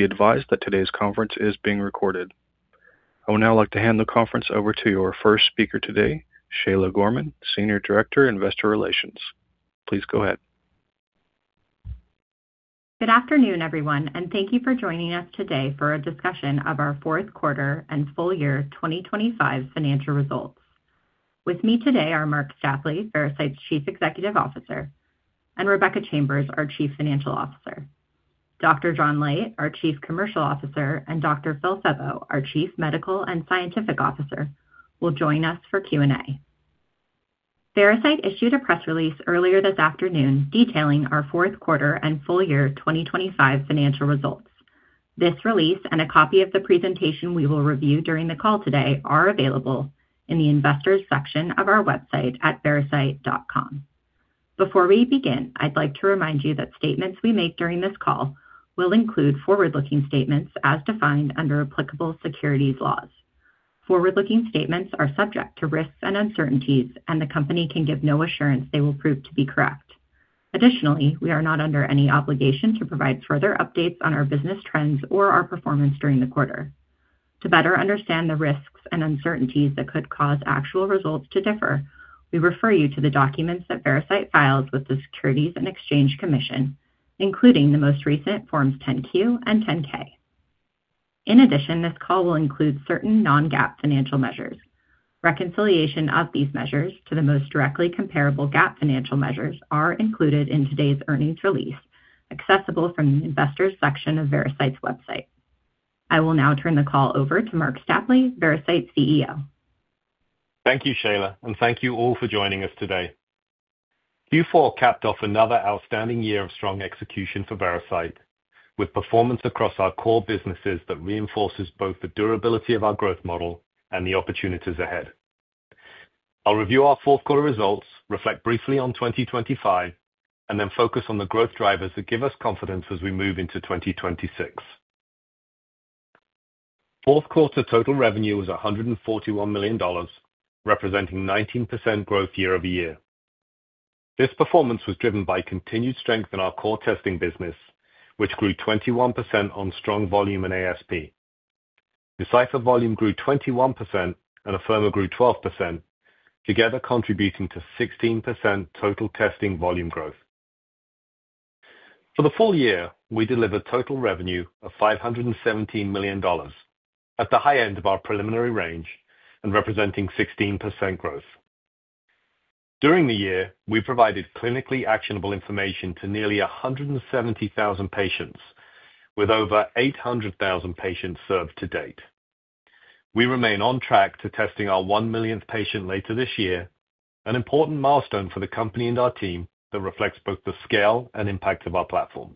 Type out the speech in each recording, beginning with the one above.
Please be advised that today's conference is being recorded. I would now like to hand the conference over to your first speaker today, Shayla Gorman, Senior Director, Investor Relations. Please go ahead. Good afternoon, everyone. Thank you for joining us today for a discussion of our Fourth Quarter and Full Year 2025 Financial Results. With me today are Marc Stapley, Veracyte's Chief Executive Officer, and Rebecca Chambers, our Chief Financial Officer. Dr. John Leite, our Chief Commercial Officer, and Dr. Phil Febbo, our Chief Medical and Scientific Officer, will join us for Q&A. Veracyte issued a press release earlier this afternoon detailing our fourth quarter and full year 2025 financial results. This release, and a copy of the presentation we will review during the call today, are available in the Investors section of our website at veracyte.com. Before we begin, I'd like to remind you that statements we make during this call will include forward-looking statements as defined under applicable securities laws. Forward-looking statements are subject to risks and uncertainties, and the company can give no assurance they will prove to be correct. Additionally, we are not under any obligation to provide further updates on our business trends or our performance during the quarter. To better understand the risks and uncertainties that could cause actual results to differ, we refer you to the documents that Veracyte files with the Securities and Exchange Commission, including the most recent Forms 10-Q and 10-K. In addition, this call will include certain non-GAAP financial measures. Reconciliation of these measures to the most directly comparable GAAP financial measures are included in today's earnings release, accessible from the Investors section of Veracyte's website. I will now turn the call over to Marc Stapley, Veracyte's CEO. Thank you, Shayla, and thank you all for joining us today. Q4 capped off another outstanding year of strong execution for Veracyte, with performance across our core businesses that reinforces both the durability of our growth model and the opportunities ahead. I'll review our fourth quarter results, reflect briefly on 2025, and then focus on the growth drivers that give us confidence as we move into 2026. Fourth quarter total revenue was $141 million, representing 19% growth year-over-year. This performance was driven by continued strength in our core testing business, which grew 21% on strong volume and ASP. Decipher volume grew 21% and Afirma grew 12%, together contributing to 16% total testing volume growth. For the full year, we delivered total revenue of $517 million at the high end of our preliminary range and representing 16% growth. During the year, we provided clinically actionable information to nearly 170,000 patients with over 800,000 patients served to date. We remain on track to testing our 1 millionth patient later this year, an important milestone for the company and our team that reflects both the scale and impact of our platform.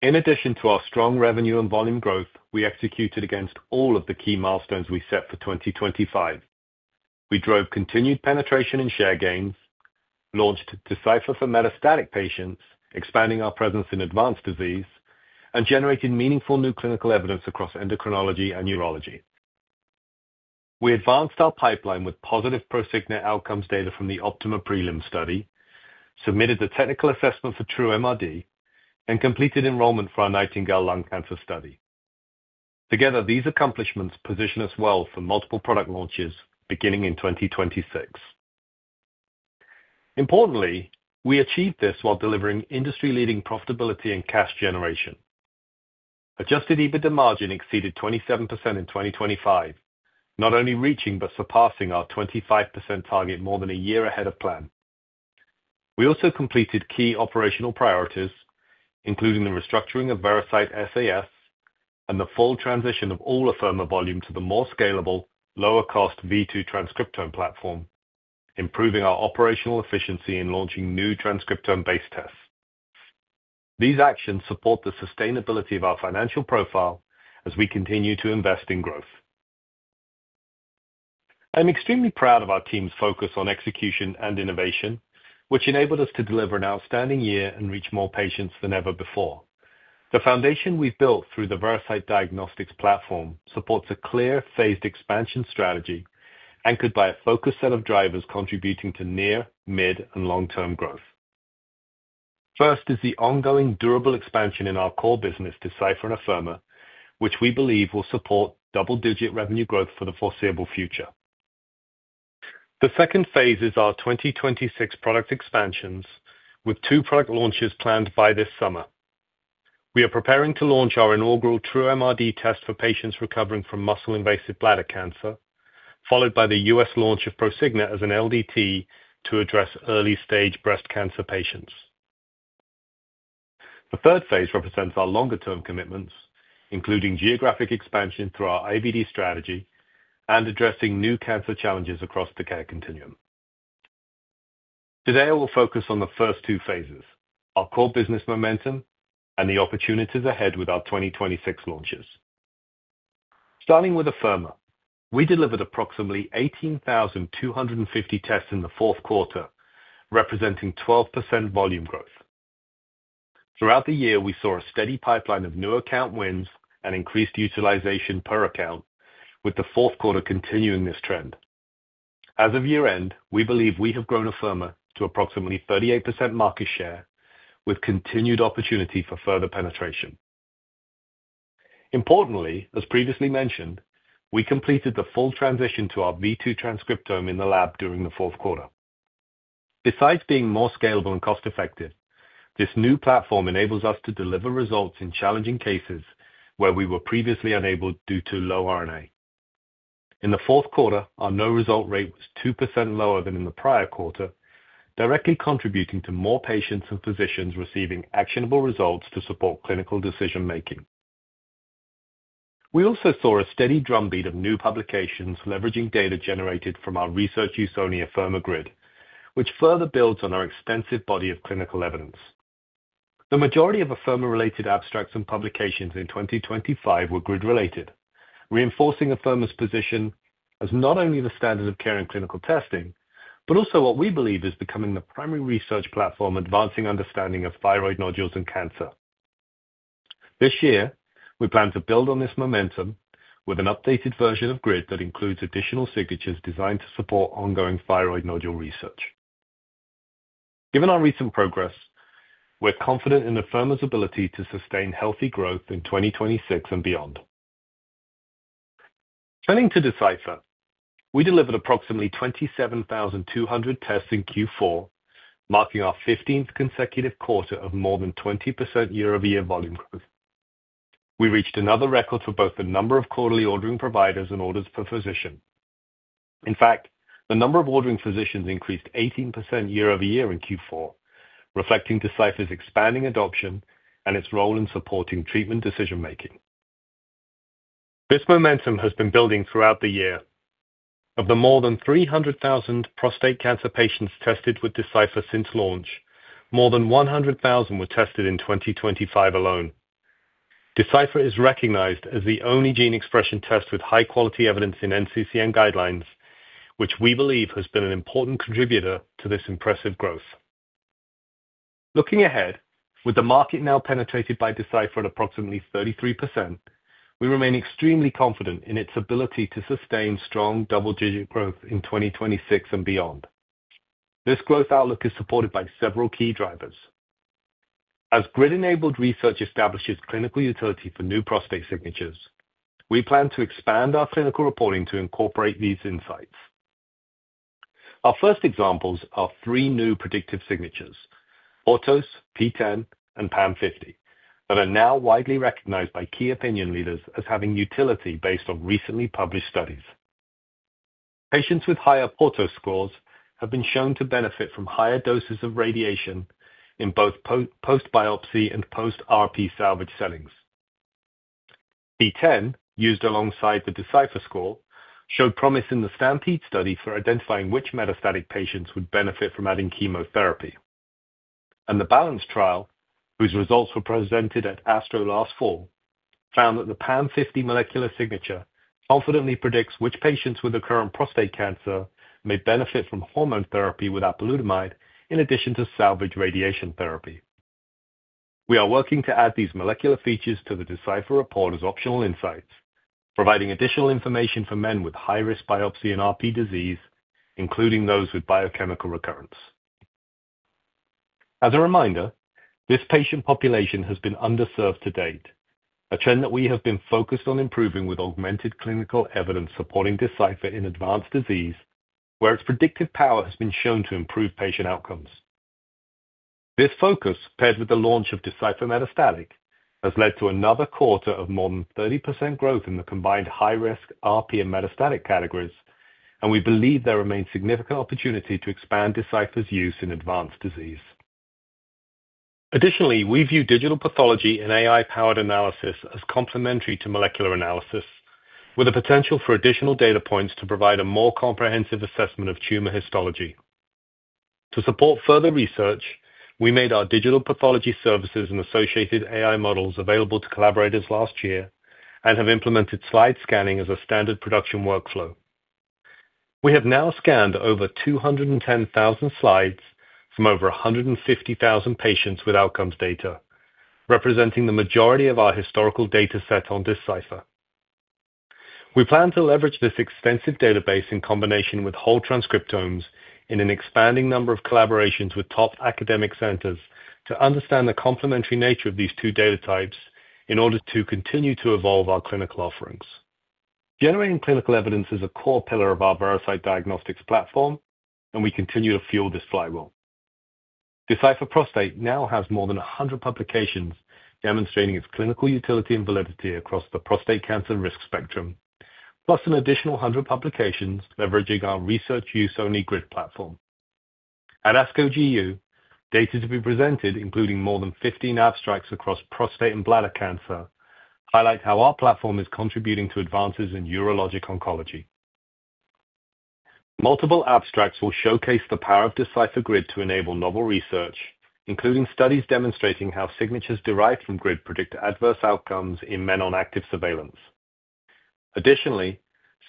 In addition to our strong revenue and volume growth, we executed against all of the key milestones we set for 2025. We drove continued penetration and share gains, launched Decipher for metastatic patients, expanding our presence in advanced disease, and generating meaningful new clinical evidence across endocrinology and neurology. We advanced our pipeline with positive Prosigna outcomes data from the OPTIMA prelim study, submitted the technical assessment for TruMRD, and completed enrollment for our NIGHTINGALE lung cancer study. Together, these accomplishments position us well for multiple product launches beginning in 2026. Importantly, we achieved this while delivering industry-leading profitability and cash generation. Adjusted EBITDA margin exceeded 27% in 2025, not only reaching but surpassing our 25% target more than a year ahead of plan. We also completed key operational priorities, including the restructuring of Veracyte SAS and the full transition of all Afirma volume to the more scalable, lower-cost v2 transcriptome platform, improving our operational efficiency in launching new transcriptome-based tests. These actions support the sustainability of our financial profile as we continue to invest in growth. I'm extremely proud of our team's focus on execution and innovation, which enabled us to deliver an outstanding year and reach more patients than ever before. The foundation we've built through the Veracyte Diagnostics Platform supports a clear, phased expansion strategy, anchored by a focused set of drivers contributing to near, mid, and long-term growth. First is the ongoing durable expansion in our core business, Decipher and Afirma, which we believe will support double-digit revenue growth for the foreseeable future. The second phase is our 2026 product expansions, with two product launches planned by this summer. We are preparing to launch our inaugural TruMRD test for patients recovering from muscle-invasive bladder cancer, followed by the U.S. launch of Prosigna as an LDT to address early-stage breast cancer patients. The third phase represents our longer-term commitments, including geographic expansion through our IVD strategy and addressing new cancer challenges across the care continuum. Today, I will focus on the first two phases, our core business momentum and the opportunities ahead with our 2026 launches. Starting with Afirma, we delivered approximately 18,250 tests in the fourth quarter, representing 12% volume growth. Throughout the year, we saw a steady pipeline of new account wins and increased utilization per account, with the fourth quarter continuing this trend. As of year-end, we believe we have grown Afirma to approximately 38% market share, with continued opportunity for further penetration. Importantly, as previously mentioned, we completed the full transition to our v2 transcriptome in the lab during the fourth quarter. Besides being more scalable and cost-effective, this new platform enables us to deliver results in challenging cases where we were previously unable due to low RNA. In the fourth quarter, our no-result rate was 2% lower than in the prior quarter, directly contributing to more patients and physicians receiving actionable results to support clinical decision-making. We also saw a steady drumbeat of new publications leveraging data generated from our research use-only Afirma GRID, which further builds on our extensive body of clinical evidence. The majority of Afirma-related abstracts and publications in 2025 were GRID-related, reinforcing Afirma's position as not only the standard of care in clinical testing, but also what we believe is becoming the primary research platform advancing understanding of thyroid nodules and cancer. This year, we plan to build on this momentum with an updated version of GRID that includes additional signatures designed to support ongoing thyroid nodule research. Given our recent progress, we're confident in Afirma's ability to sustain healthy growth in 2026 and beyond. Turning to Decipher, we delivered approximately 27,200 tests in Q4, marking our 15th consecutive quarter of more than 20% year-over-year volume growth. We reached another record for both the number of quarterly ordering providers and orders per physician. In fact, the number of ordering physicians increased 18% year-over-year in Q4, reflecting Decipher's expanding adoption and its role in supporting treatment decision-making. This momentum has been building throughout the year. Of the more than 300,000 prostate cancer patients tested with Decipher since launch, more than 100,000 were tested in 2025 alone. Decipher is recognized as the only gene expression test with high-quality evidence in NCCN guidelines, which we believe has been an important contributor to this impressive growth. Looking ahead, with the market now penetrated by Decipher at approximately 33%, we remain extremely confident in its ability to sustain strong double-digit growth in 2026 and beyond. This growth outlook is supported by several key drivers. As GRID-enabled research establishes clinical utility for new prostate signatures, we plan to expand our clinical reporting to incorporate these insights. Our first examples are three new predictive signatures, PORTOS, PTEN, and PAM50, that are now widely recognized by key opinion leaders as having utility based on recently published studies. Patients with higher PORTOS scores have been shown to benefit from higher doses of radiation in both post biopsy and post RP salvage settings. PTEN, used alongside the Decipher score, showed promise in the STAMPEDE study for identifying which metastatic patients would benefit from adding chemotherapy. The BALANCE trial, whose results were presented at ASTRO last fall, found that the PAM50 molecular signature confidently predicts which patients with recurrent prostate cancer may benefit from hormone therapy with apalutamide in addition to salvage radiation therapy. We are working to add these molecular features to the Decipher report as optional insights, providing additional information for men with high-risk biopsy and RP disease, including those with biochemical recurrence. A reminder, this patient population has been underserved to date, a trend that we have been focused on improving with augmented clinical evidence supporting Decipher in advanced disease, where its predictive power has been shown to improve patient outcomes. This focus, paired with the launch of Decipher Metastatic, has led to another quarter of more than 30% growth in the combined high-risk RP and metastatic categories. We believe there remains significant opportunity to expand Decipher's use in advanced disease. Additionally, we view digital pathology and AI-powered analysis as complementary to molecular analysis, with the potential for additional data points to provide a more comprehensive assessment of tumor histology. To support further research, we made our digital pathology services and associated AI models available to collaborators last year and have implemented slide scanning as a standard production workflow. We have now scanned over 210,000 slides from over 150,000 patients with outcomes data, representing the majority of our historical data set on Decipher. We plan to leverage this extensive database in combination with whole transcriptomes in an expanding number of collaborations with top academic centers to understand the complementary nature of these two data types in order to continue to evolve our clinical offerings. Generating clinical evidence is a core pillar of our Veracyte Diagnostics Platform, and we continue to fuel this flywheel. Decipher Prostate now has more than 100 publications demonstrating its clinical utility and validity across the prostate cancer risk spectrum, plus an additional 100 publications leveraging our research use only GRID platform. At ASCO GU, data to be presented, including more than 15 abstracts across prostate and bladder cancer, highlight how our platform is contributing to advances in urologic oncology. Multiple abstracts will showcase the power of Decipher GRID to enable novel research, including studies demonstrating how signatures derived from GRID predict adverse outcomes in men on active surveillance.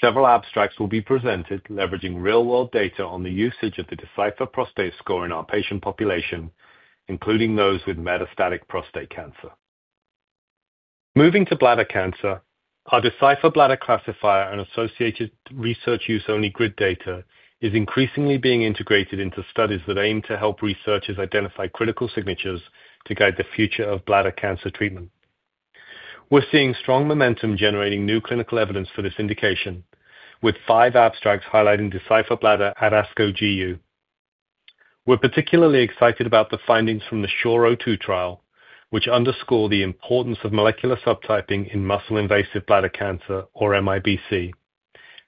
Several abstracts will be presented leveraging real-world data on the usage of the Decipher Prostate score in our patient population, including those with metastatic prostate cancer. Moving to bladder cancer, our Decipher Bladder classifier and associated research use only grid data is increasingly being integrated into studies that aim to help researchers identify critical signatures to guide the future of bladder cancer treatment. We're seeing strong momentum generating new clinical evidence for this indication, with 5 abstracts highlighting Decipher Bladder at ASCO GU. We're particularly excited about the findings from the SURE-02 trial, which underscore the importance of molecular subtyping in muscle-invasive bladder cancer, or MIBC,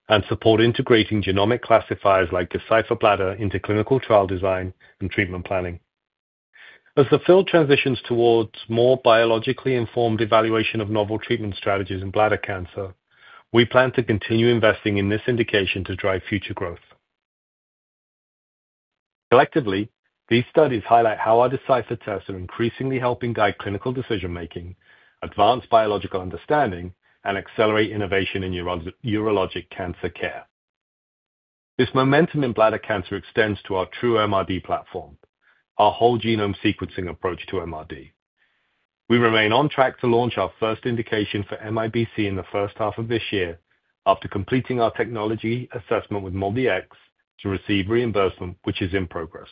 and support integrating genomic classifiers like Decipher Bladder into clinical trial design and treatment planning. The field transitions towards more biologically informed evaluation of novel treatment strategies in bladder cancer, we plan to continue investing in this indication to drive future growth. Collectively, these studies highlight how our Decipher tests are increasingly helping guide clinical decision-making, advance biological understanding, and accelerate innovation in urologic cancer care. This momentum in bladder cancer extends to our TruMRD platform, our whole genome sequencing approach to MRD. We remain on track to launch our first indication for MIBC in the first half of this year, after completing our technology assessment with MolDX to receive reimbursement, which is in progress.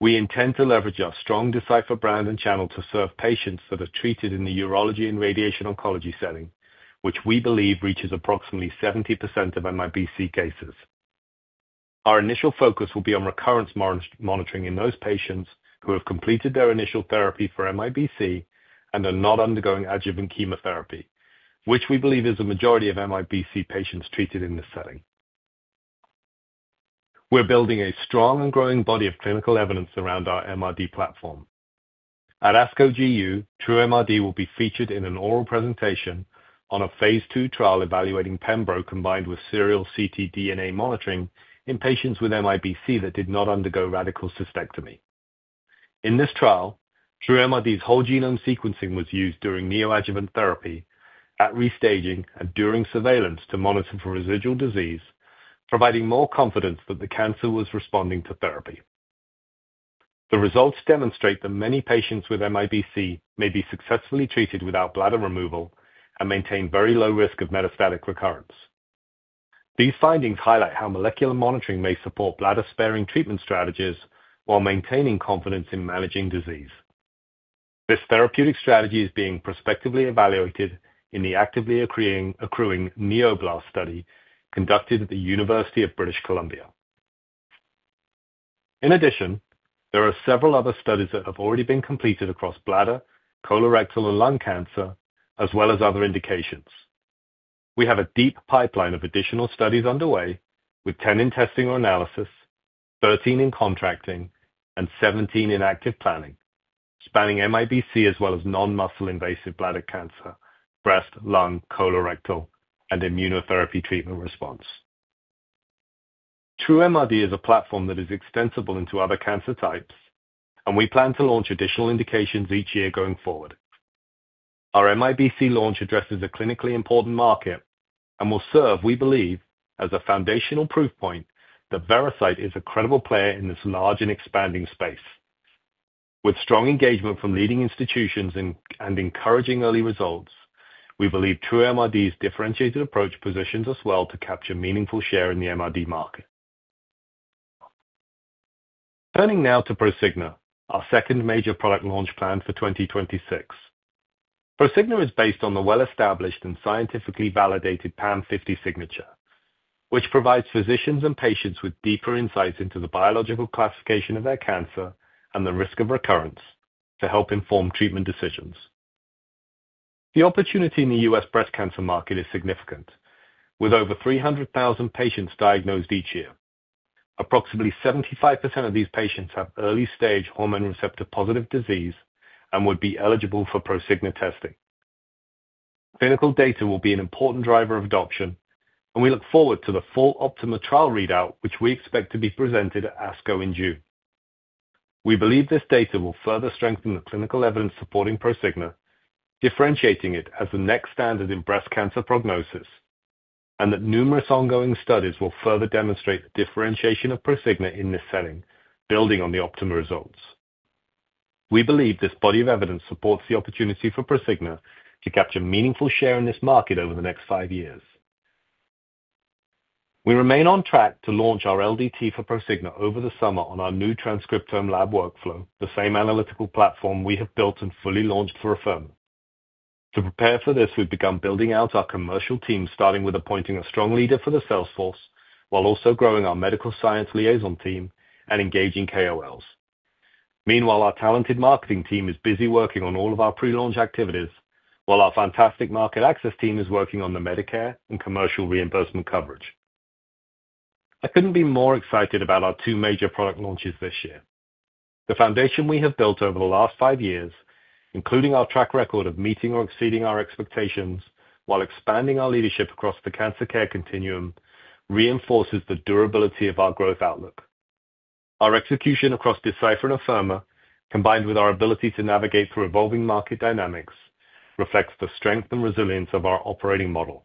We intend to leverage our strong Decipher brand and channel to serve patients that are treated in the urology and radiation oncology setting, which we believe reaches approximately 70% of MIBC cases. Our initial focus will be on recurrence monitoring in those patients who have completed their initial therapy for MIBC and are not undergoing adjuvant chemotherapy, which we believe is the majority of MIBC patients treated in this setting. We're building a strong and growing body of clinical evidence around our MRD platform. At ASCO GU, TruMRD will be featured in an oral presentation on a phase 2 trial evaluating pembro combined with serial CTDNA monitoring in patients with MIBC that did not undergo radical cystectomy. In this trial, TruMRD's whole genome sequencing was used during neoadjuvant therapy, at restaging, and during surveillance to monitor for residual disease, providing more confidence that the cancer was responding to therapy. The results demonstrate that many patients with MIBC may be successfully treated without bladder removal and maintain very low risk of metastatic recurrence. These findings highlight how molecular monitoring may support bladder-sparing treatment strategies while maintaining confidence in managing disease. This therapeutic strategy is being prospectively evaluated in the actively accruing NeoBLAST study conducted at the University of British Columbia. In addition, there are several other studies that have already been completed across bladder, colorectal, and lung cancer, as well as other indications. We have a deep pipeline of additional studies underway, with 10 in testing or analysis, 13 in contracting, and 17 in active planning, spanning MIBC as well as non-muscle invasive bladder cancer, breast, lung, colorectal, and immunotherapy treatment response. TruMRD is a platform that is extensible into other cancer types, and we plan to launch additional indications each year going forward. Our MIBC launch addresses a clinically important market and will serve, we believe, as a foundational proof point that Veracyte is a credible player in this large and expanding space. With strong engagement from leading institutions and encouraging early results, we believe TruMRD's differentiated approach positions us well to capture meaningful share in the MRD market. Turning now to Prosigna, our second major product launch plan for 2026. Prosigna is based on the well-established and scientifically validated PAM50 signature, which provides physicians and patients with deeper insights into the biological classification of their cancer and the risk of recurrence to help inform treatment decisions. The opportunity in the U.S. breast cancer market is significant, with over 300,000 patients diagnosed each year. Approximately 75% of these patients have early-stage hormone receptor-positive disease and would be eligible for Prosigna testing. Clinical data will be an important driver of adoption, and we look forward to the full OPTIMA trial readout, which we expect to be presented at ASCO in June. We believe this data will further strengthen the clinical evidence supporting Prosigna, differentiating it as the next standard in breast cancer prognosis, and that numerous ongoing studies will further demonstrate the differentiation of Prosigna in this setting, building on the optimal results. We believe this body of evidence supports the opportunity for Prosigna to capture meaningful share in this market over the next five years. We remain on track to launch our LDT for Prosigna over the summer on our new Transcriptome Lab workflow, the same analytical platform we have built and fully launched for Afirma. To prepare for this, we've begun building out our commercial team, starting with appointing a strong leader for the sales force, while also growing our medical science liaison team and engaging KOLs. Meanwhile, our talented marketing team is busy working on all of our pre-launch activities, while our fantastic market access team is working on the Medicare and commercial reimbursement coverage. I couldn't be more excited about our two major product launches this year. The foundation we have built over the last five years, including our track record of meeting or exceeding our expectations while expanding our leadership across the cancer care continuum, reinforces the durability of our growth outlook. Our execution across Decipher and Afirma, combined with our ability to navigate through evolving market dynamics, reflects the strength and resilience of our operating model.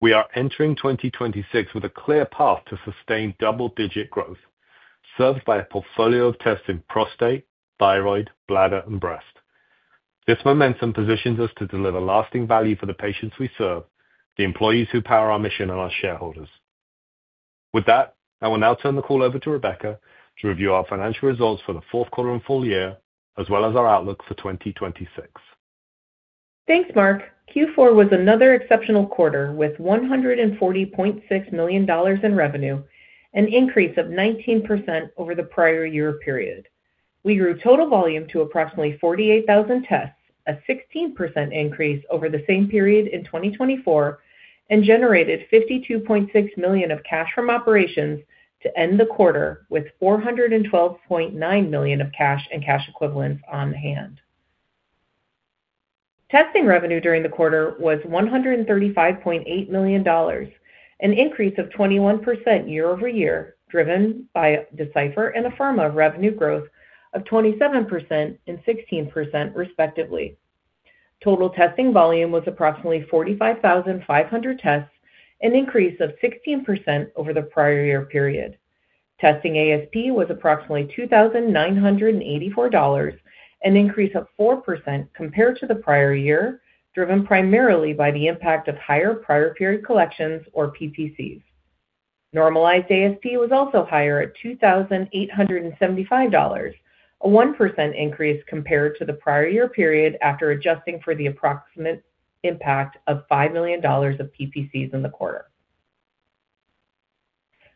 We are entering 2026 with a clear path to sustain double-digit growth, served by a portfolio of tests in prostate, thyroid, bladder, and breast. This momentum positions us to deliver lasting value for the patients we serve, the employees who power our mission, and our shareholders. With that, I will now turn the call over to Rebecca to review our financial results for the fourth quarter and full year, as well as our outlook for 2026. Thanks, Marc. Q4 was another exceptional quarter, with $140.6 million in revenue, an increase of 19% over the prior year period. We grew total volume to approximately 48,000 tests, a 16% increase over the same period in 2024, and generated $52.6 million of cash from operations to end the quarter with $412.9 million of cash and cash equivalents on hand. Testing revenue during the quarter was $135.8 million, an increase of 21% year over year, driven by Decipher and Afirma revenue growth of 27% and 16%, respectively. Total testing volume was approximately 45,500 tests, an increase of 16% over the prior year period. Testing ASP was approximately $2,984, an increase of 4% compared to the prior year, driven primarily by the impact of higher prior period collections, or PPCs. Normalized ASP was also higher at $2,875, a 1% increase compared to the prior year period, after adjusting for the approximate impact of $5 million of PPCs in the quarter.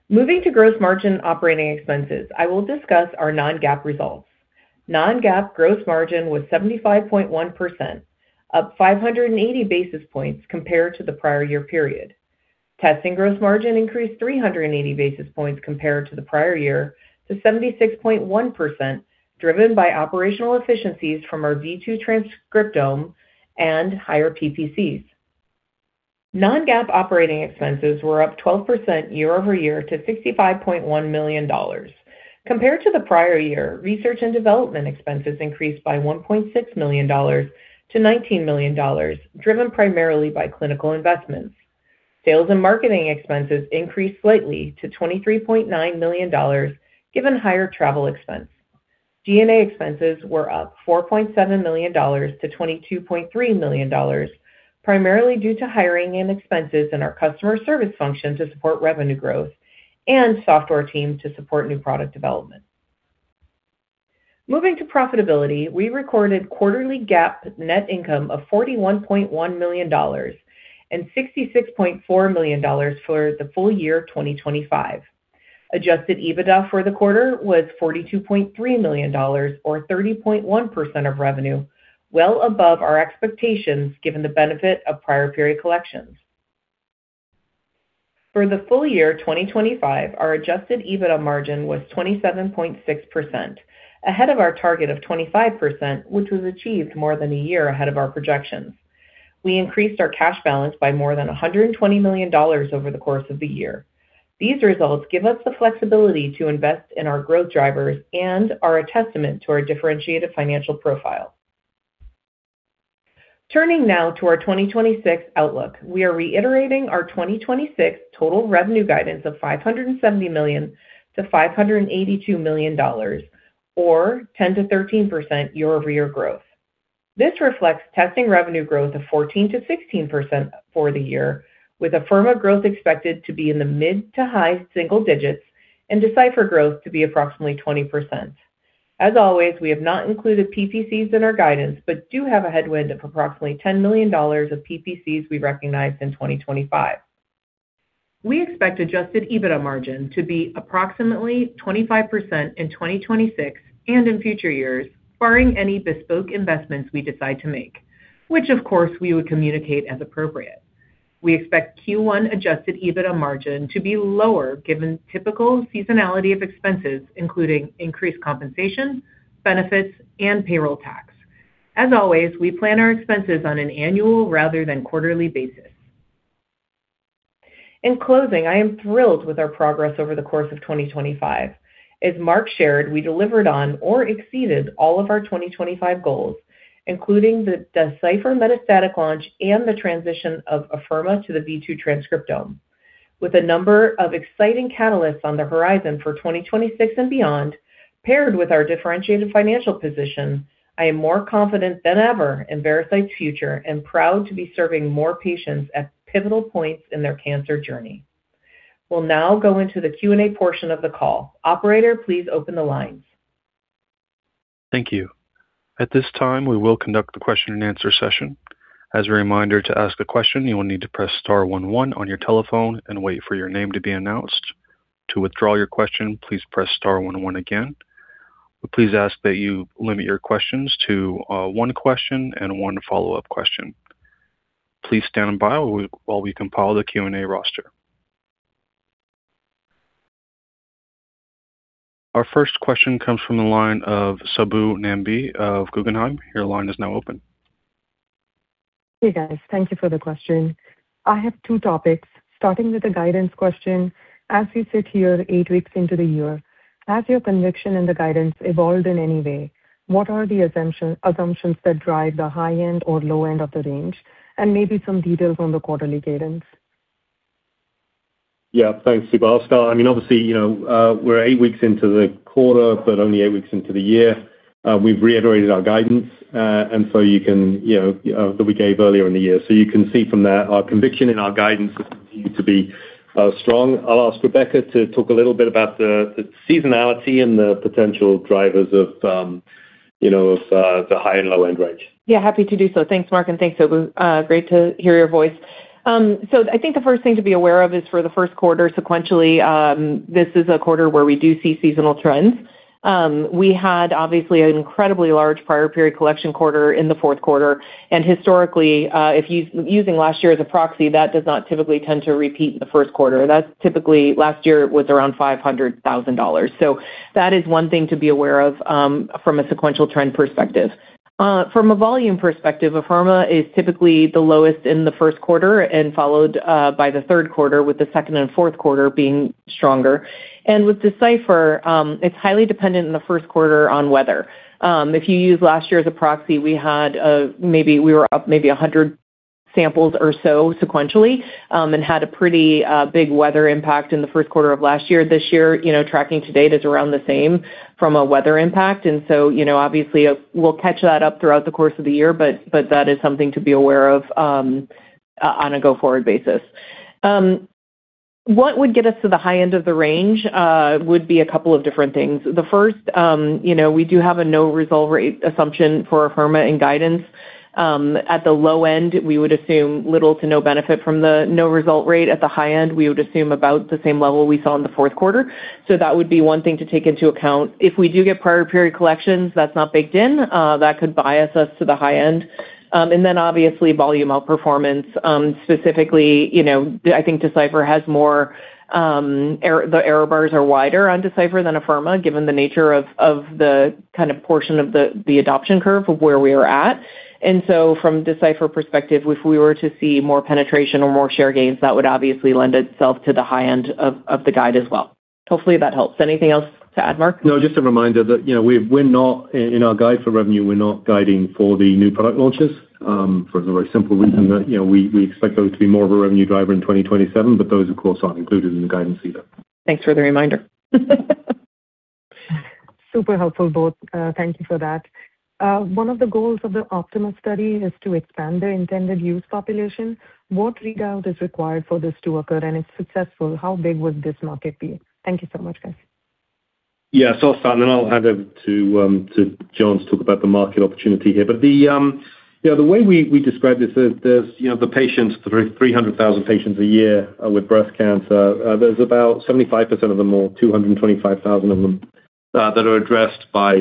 Moving to gross margin operating expenses, I will discuss our non-GAAP results. Non-GAAP gross margin was 75.1%, up 580 basis points compared to the prior year period. Testing gross margin increased 380 basis points compared to the prior year to 76.1%, driven by operational efficiencies from our v2 transcriptome and higher PPCs. non-GAAP operating expenses were up 12% year-over-year to $65.1 million. Compared to the prior year, research and development expenses increased by $1.6 million to $19 million, driven primarily by clinical investments. Sales and marketing expenses increased slightly to $23.9 million, given higher travel expense. G&A expenses were up $4.7 million to $22.3 million, primarily due to hiring and expenses in our customer service function to support revenue growth and software teams to support new product development. Moving to profitability, we recorded quarterly GAAP net income of $41.1 million and $66.4 million for the full year of 2025. Adjusted EBITDA for the quarter was $42.3 million, or 30.1% of revenue, well above our expectations, given the benefit of prior period collections. For the full year 2025, our adjusted EBITDA margin was 27.6%, ahead of our target of 25%, which was achieved more than a year ahead of our projections. We increased our cash balance by more than $120 million over the course of the year. These results give us the flexibility to invest in our growth drivers and are a testament to our differentiated financial profile. Turning now to our 2026 outlook, we are reiterating our 2026 total revenue guidance of $570 million-$582 million, or 10%-13% year-over-year growth. This reflects testing revenue growth of 14%-16% for the year, with Afirma growth expected to be in the mid to high single digits and Decipher growth to be approximately 20%. As always, we have not included PPCs in our guidance, but do have a headwind of approximately $10 million of PPCs we recognized in 2025. We expect adjusted EBITDA margin to be approximately 25% in 2026 and in future years, barring any bespoke investments we decide to make, which of course, we would communicate as appropriate. We expect Q1 adjusted EBITDA margin to be lower, given typical seasonality of expenses, including increased compensation, benefits, and payroll tax. As always, we plan our expenses on an annual rather than quarterly basis. In closing, I am thrilled with our progress over the course of 2025. As Marc shared, we delivered on or exceeded all of our 2025 goals, including the Decipher metastatic launch and the transition of Afirma to the v2 transcriptome. With a number of exciting catalysts on the horizon for 2026 and beyond, paired with our differentiated financial position, I am more confident than ever in Veracyte's future and proud to be serving more patients at pivotal points in their cancer journey. We'll now go into the Q&A portion of the call. Operator, please open the lines. Thank you. At this time, we will conduct the question-and-answer session. As a reminder, to ask a question, you will need to press star one one on your telephone and wait for your name to be announced. To withdraw your question, please press star one one again. We please ask that you limit your questions to one question and one follow-up question. Please stand on by while we compile the Q&A roster. Our first question comes from the line of Subbu Nambi of Guggenheim. Your line is now open. Hey, guys. Thank you for the question. I have two topics, starting with the guidance question. As we sit here eight weeks into the year, has your conviction in the guidance evolved in any way? What are the assumptions that drive the high end or low end of the range, and maybe some details on the quarterly guidance? Yeah, thanks, Subbu. I'll start. I mean, obviously, you know, we're eight weeks into the quarter, but only eight weeks into the year. We've reiterated our guidance, you know, that we gave earlier in the year. You can see from there, our conviction in our guidance is continued to be strong. I'll ask Rebecca to talk a little bit about the seasonality and the potential drivers of, you know, the high and low-end range. Happy to do so. Thanks, Marc, and thanks, Subbu. Great to hear your voice. I think the first thing to be aware of is for the first quarter sequentially, this is a quarter where we do see seasonal trends. We had obviously an incredibly large prior period collection quarter in the fourth quarter. Historically, using last year as a proxy, that does not typically tend to repeat in the first quarter. That's typically, last year, it was around $500,000. That is one thing to be aware of, from a sequential trend perspective. From a volume perspective, Afirma is typically the lowest in the first quarter and followed by the third quarter, with the second and fourth quarter being stronger. With Decipher, it's highly dependent in the first quarter on weather. If you use last year as a proxy, we had maybe we were up maybe 100 samples or so sequentially, and had a pretty big weather impact in the first quarter of last year. This year, you know, tracking to date is around the same from a weather impact, you know, obviously, we'll catch that up throughout the course of the year, but that is something to be aware of on a go-forward basis. What would get us to the high end of the range would be a couple of different things. The first, you know, we do have a no result rate assumption for Afirma in guidance. At the low end, we would assume little to no benefit from the no result rate. At the high end, we would assume about the same level we saw in the fourth quarter. That would be one thing to take into account. If we do get prior period collections, that's not baked in, that could bias us to the high end. Obviously, volume outperformance, specifically, you know, I think Decipher has more, the error bars are wider on Decipher than Afirma, given the nature of the kind of portion of the adoption curve of where we are at. From Decipher perspective, if we were to see more penetration or more share gains, that would obviously lend itself to the high end of the guide as well. Hopefully, that helps. Anything else to add, Marc? No, just a reminder that, you know, we're not, in our guide for revenue, we're not guiding for the new product launches, for the very simple reason that, you know, we expect those to be more of a revenue driver in 2027, but those, of course, are included in the guidance either. Thanks for the reminder. Super helpful, both. Thank you for that. One of the goals of the OPTIMA study is to expand the intended use population. What readout is required for this to occur, and if successful, how big would this market be? Thank you so much, guys. I'll start, and then I'll hand over to John to talk about the market opportunity here. The, you know, the way we describe this is, there's, you know, the patients, 300,000 patients a year with breast cancer, there's about 75% of them, or 225,000 of them, that are addressed by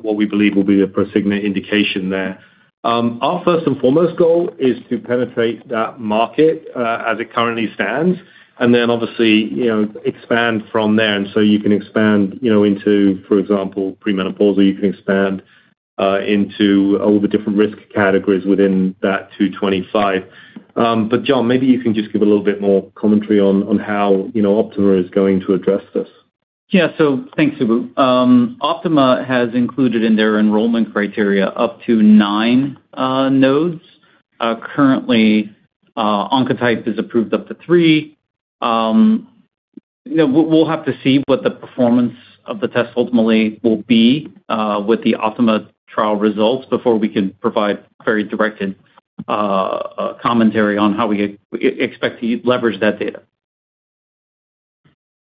what we believe will be the Prosigna indication there. Our first and foremost goal is to penetrate that market, as it currently stands, and then obviously, you know, expand from there. You can expand, you know, into, for example, premenopausal, you can expand into all the different risk categories within that 225. John, maybe you can just give a little bit more commentary on how, you know, OPTIMA is going to address this. Yeah. Thanks, Subbu. OPTIMA has included in their enrollment criteria up to nine nodes. Currently, Oncotype is approved up to three. You know, we'll have to see what the performance of the test ultimately will be with the OPTIMA trial results before we can provide very directed commentary on how we expect to leverage that data.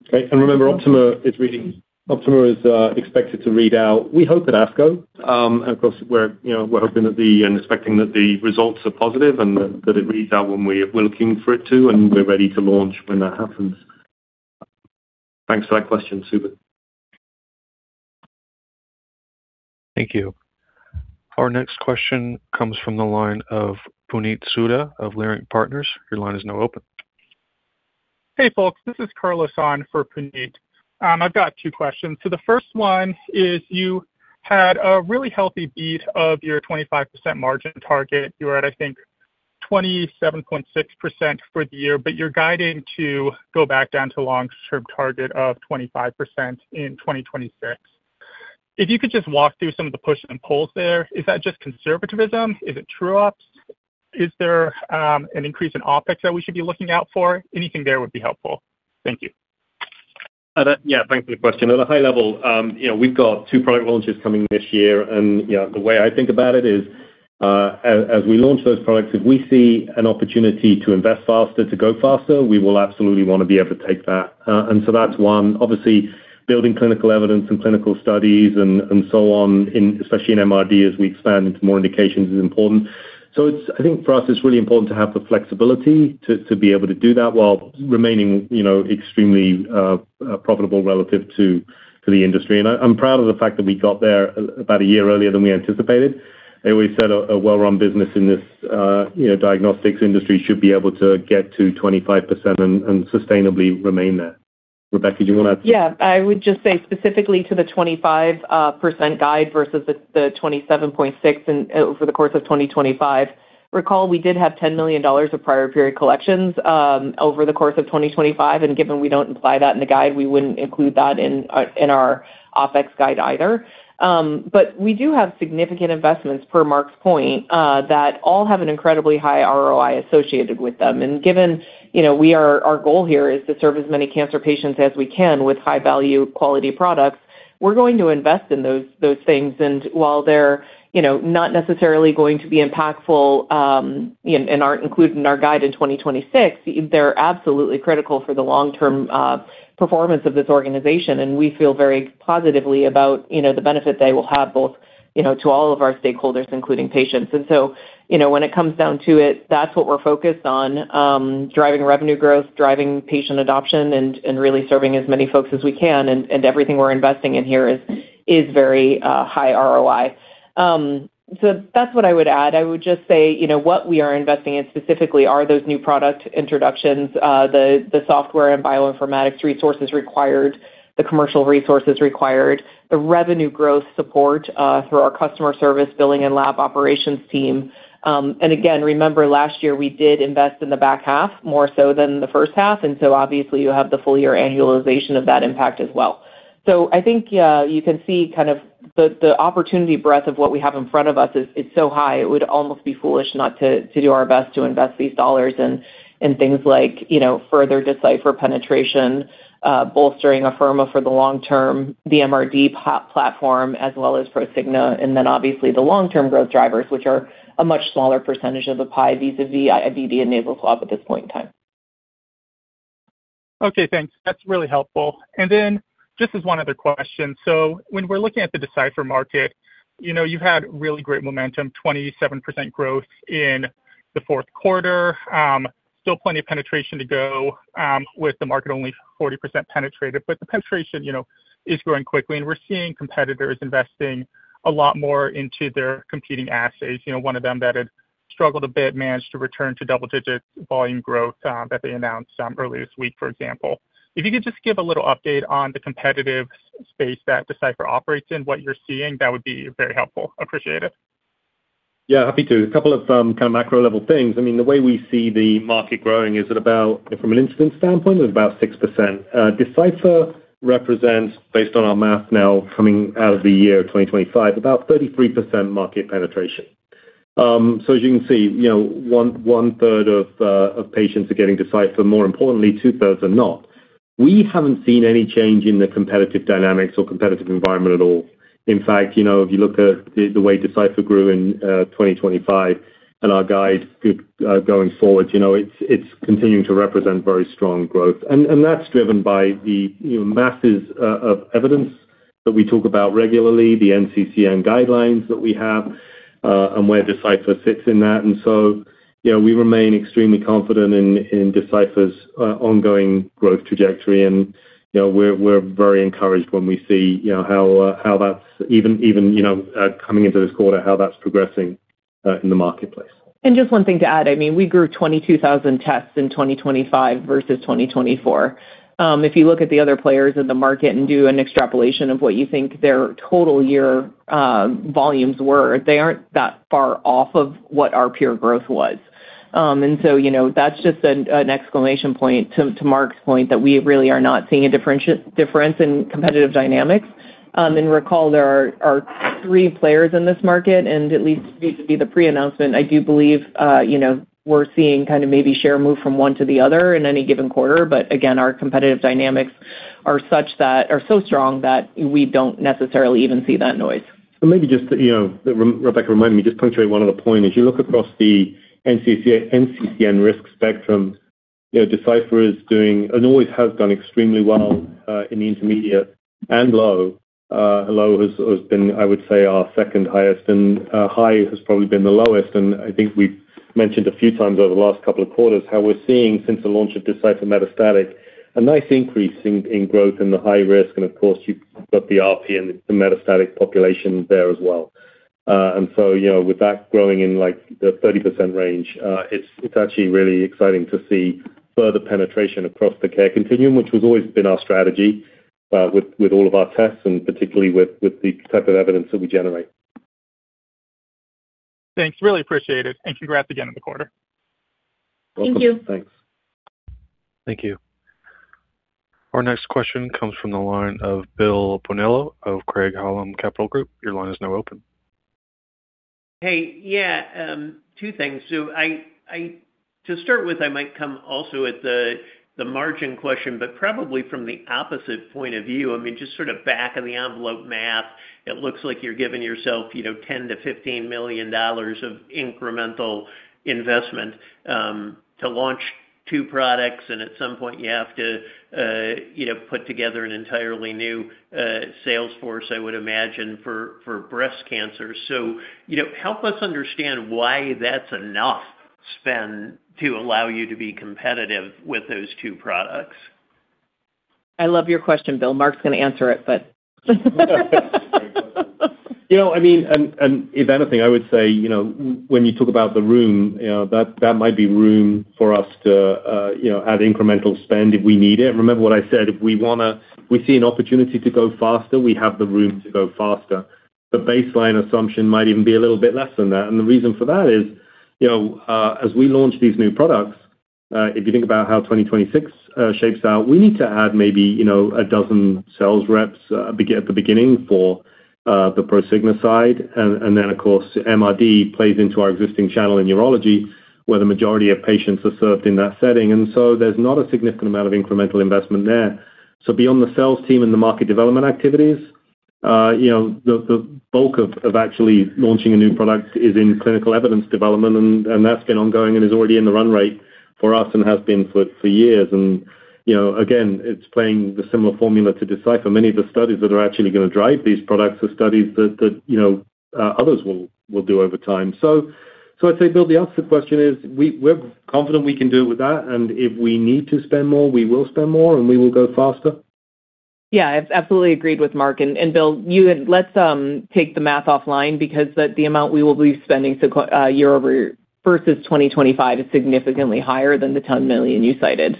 Great. Remember, OPTIMA is expected to read out, we hope, at ASCO. Of course, we're, you know, we're hoping that the and expecting that the results are positive and that it reads out when we're looking for it to, and we're ready to launch when that happens. Thanks for that question, Subbu. Thank you. Our next question comes from the line of Puneet Souda of Leerink Partners. Your line is now open. Hey, folks. This is Carlos on for Puneet. I've got two questions. The first one is, you had a really healthy beat of your 25% margin target. You were at, I think, 27.6% for the year, but you're guiding to go back down to long-term target of 25% in 2026. If you could just walk through some of the push and pulls there, is that just conservativism? Is it true ups? Is there an increase in OpEx that we should be looking out for? Anything there would be helpful. Thank you. Yeah, thanks for the question. At a high level, you know, we've got two product launches coming this year, you know, the way I think about it is, as we launch those products, if we see an opportunity to invest faster, to go faster, we will absolutely want to be able to take that. That's one. Obviously, building clinical evidence and clinical studies and so on, especially in MRD, as we expand into more indications, is important. I think for us, it's really important to have the flexibility to be able to do that while remaining, you know, extremely profitable relative to the industry. I'm proud of the fact that we got there about a year earlier than we anticipated. We set a well-run business in this, you know, diagnostics industry should be able to get to 25% and sustainably remain there. Rebecca, do you want to add? Yeah, I would just say specifically to the 25% guide versus the 27.6 and over the course of 2025. Recall, we did have $10 million of prior period collections over the course of 2025, and given we don't imply that in the guide, we wouldn't include that in our, in our OpEx guide either. We do have significant investments, per Marc's point, that all have an incredibly high ROI associated with them. Given, you know, our goal here is to serve as many cancer patients as we can with high-value, quality products, we're going to invest in those things. While they're, you know, not necessarily going to be impactful, you know, and aren't included in our guide in 2026, they're absolutely critical for the long-term performance of this organization, and we feel very positively about, you know, the benefit they will have, both, you know, to all of our stakeholders, including patients. You know, when it comes down to it, that's what we're focused on, driving revenue growth, driving patient adoption, and really serving as many folks as we can. Everything we're investing in here is very high ROI. That's what I would add. I would just say, you know, what we are investing in specifically are those new product introductions, the software and bioinformatics resources required, the commercial resources required, the revenue growth support, through our customer service, billing, and lab operations team. Again, remember, last year, we did invest in the back half, more so than the first half, obviously you have the full year annualization of that impact as well. I think, you can see kind of the opportunity breadth of what we have in front of us is so high, it would almost be foolish not to do our best to invest these dollars in things like, you know, further Decipher penetration, bolstering Afirma for the long term, the MRD platform, as well as Prosigna, obviously the long-term growth drivers, which are a much smaller percentage of the pie vis-a-vis IBD enabled swab at this point in time. Okay, thanks. That's really helpful. Just as one other question. When we're looking at the Decipher market, you know, you've had really great momentum, 27% growth in the fourth quarter. Still plenty of penetration to go, with the market only 40% penetrated, but the penetration, you know, is growing quickly, and we're seeing competitors investing a lot more into their competing assays. You know, one of them that had struggled a bit managed to return to double-digit volume growth that they announced earlier this week, for example. If you could just give a little update on the competitive space that Decipher operates in, what you're seeing, that would be very helpful. Appreciate it. Yeah, happy to. A couple of, kind of macro-level things. I mean, the way we see the market growing is at about, from an incidence standpoint, is about 6%. Decipher represents, based on our math now, coming out of the year 2025, about 33% market penetration. As you can see, you know, one-third of patients are getting Decipher. More importantly, 2/3 are not. We haven't seen any change in the competitive dynamics or competitive environment at all. In fact, you know, if you look at the way Decipher grew in, 2025 and our guide going forward, you know, it's continuing to represent very strong growth. That's driven by the, you know, masses of evidence that we talk about regularly, the NCCN guidelines that we have, and where Decipher sits in that. You know, we remain extremely confident in Decipher's ongoing growth trajectory. You know, we're very encouraged when we see, you know, how that's even, you know, coming into this quarter, how that's progressing in the marketplace. Just one thing to add, I mean, we grew 22,000 tests in 2025 versus 2024. If you look at the other players in the market and do an extrapolation of what you think their total year volumes were, they aren't that far off of what our peer growth was. You know, that's just an exclamation point to Marc's point, that we really are not seeing a difference in competitive dynamics. Recall, there are three players in this market, and at least vis-a-vis the pre-announcement, I do believe, you know, we're seeing kind of maybe share move from one to the other in any given quarter. Again, our competitive dynamics are such that, are so strong that we don't necessarily even see that noise. Maybe just to, you know, Rebecca, remind me, just punctuate one other point. As you look across the NCCN risk spectrum, you know, Decipher is doing, and always has done extremely well, in the intermediate and low. Low has been, I would say, our second highest, and high has probably been the lowest. I think we've mentioned a few times over the last couple of quarters how we're seeing, since the launch of Decipher Metastatic, a nice increase in growth in the high risk. Of course, you've got the RP and the metastatic population there as well. You know, with that growing in, like, the 30% range, it's actually really exciting to see further penetration across the care continuum, which has always been our strategy, with all of our tests and particularly with the type of evidence that we generate. Thanks, really appreciate it, and congrats again on the quarter. Thank you. Welcome. Thanks. Thank you. Our next question comes from the line of Bill Bonello of Craig-Hallum Capital Group. Your line is now open. Hey, yeah, two things. To start with, I might come also at the margin question, but probably from the opposite point of view. I mean, just sort of back-of-the-envelope math, it looks like you're giving yourself, you know, $10 million-$15 million of incremental investment to launch two products. At some point, you have to, you know, put together an entirely new sales force, I would imagine, for breast cancer. You know, help us understand why that's enough spend to allow you to be competitive with those two products. I love your question, Bill. Marc's going to answer it. You know, I mean, and if anything, I would say, you know, when you talk about the room, you know, that might be room for us to, you know, add incremental spend if we need it. Remember what I said, if we see an opportunity to go faster, we have the room to go faster. The baseline assumption might even be a little bit less than that. The reason for that is, you know, as we launch these new products, if you think about how 2026 shapes out, we need to add maybe, you know, 12 sales reps, beget at the beginning for the Prosigna side. Then, of course, MRD plays into our existing channel in urology, where the majority of patients are served in that setting. There's not a significant amount of incremental investment there. Beyond the sales team and the market development activities, you know, the bulk of actually launching a new product is in clinical evidence development, and that's been ongoing and is already in the run rate for us and has been for years. You know, again, it's playing the similar formula to Decipher. Many of the studies that are actually going to drive these products are studies that, you know, others will do over time. I'd say, Bill, the answer to the question is, we're confident we can do it with that, and if we need to spend more, we will spend more, and we will go faster. I've absolutely agreed with Marc. Bill, let's take the math offline because the amount we will be spending, year over versus 2025 is significantly higher than the $10 million you cited.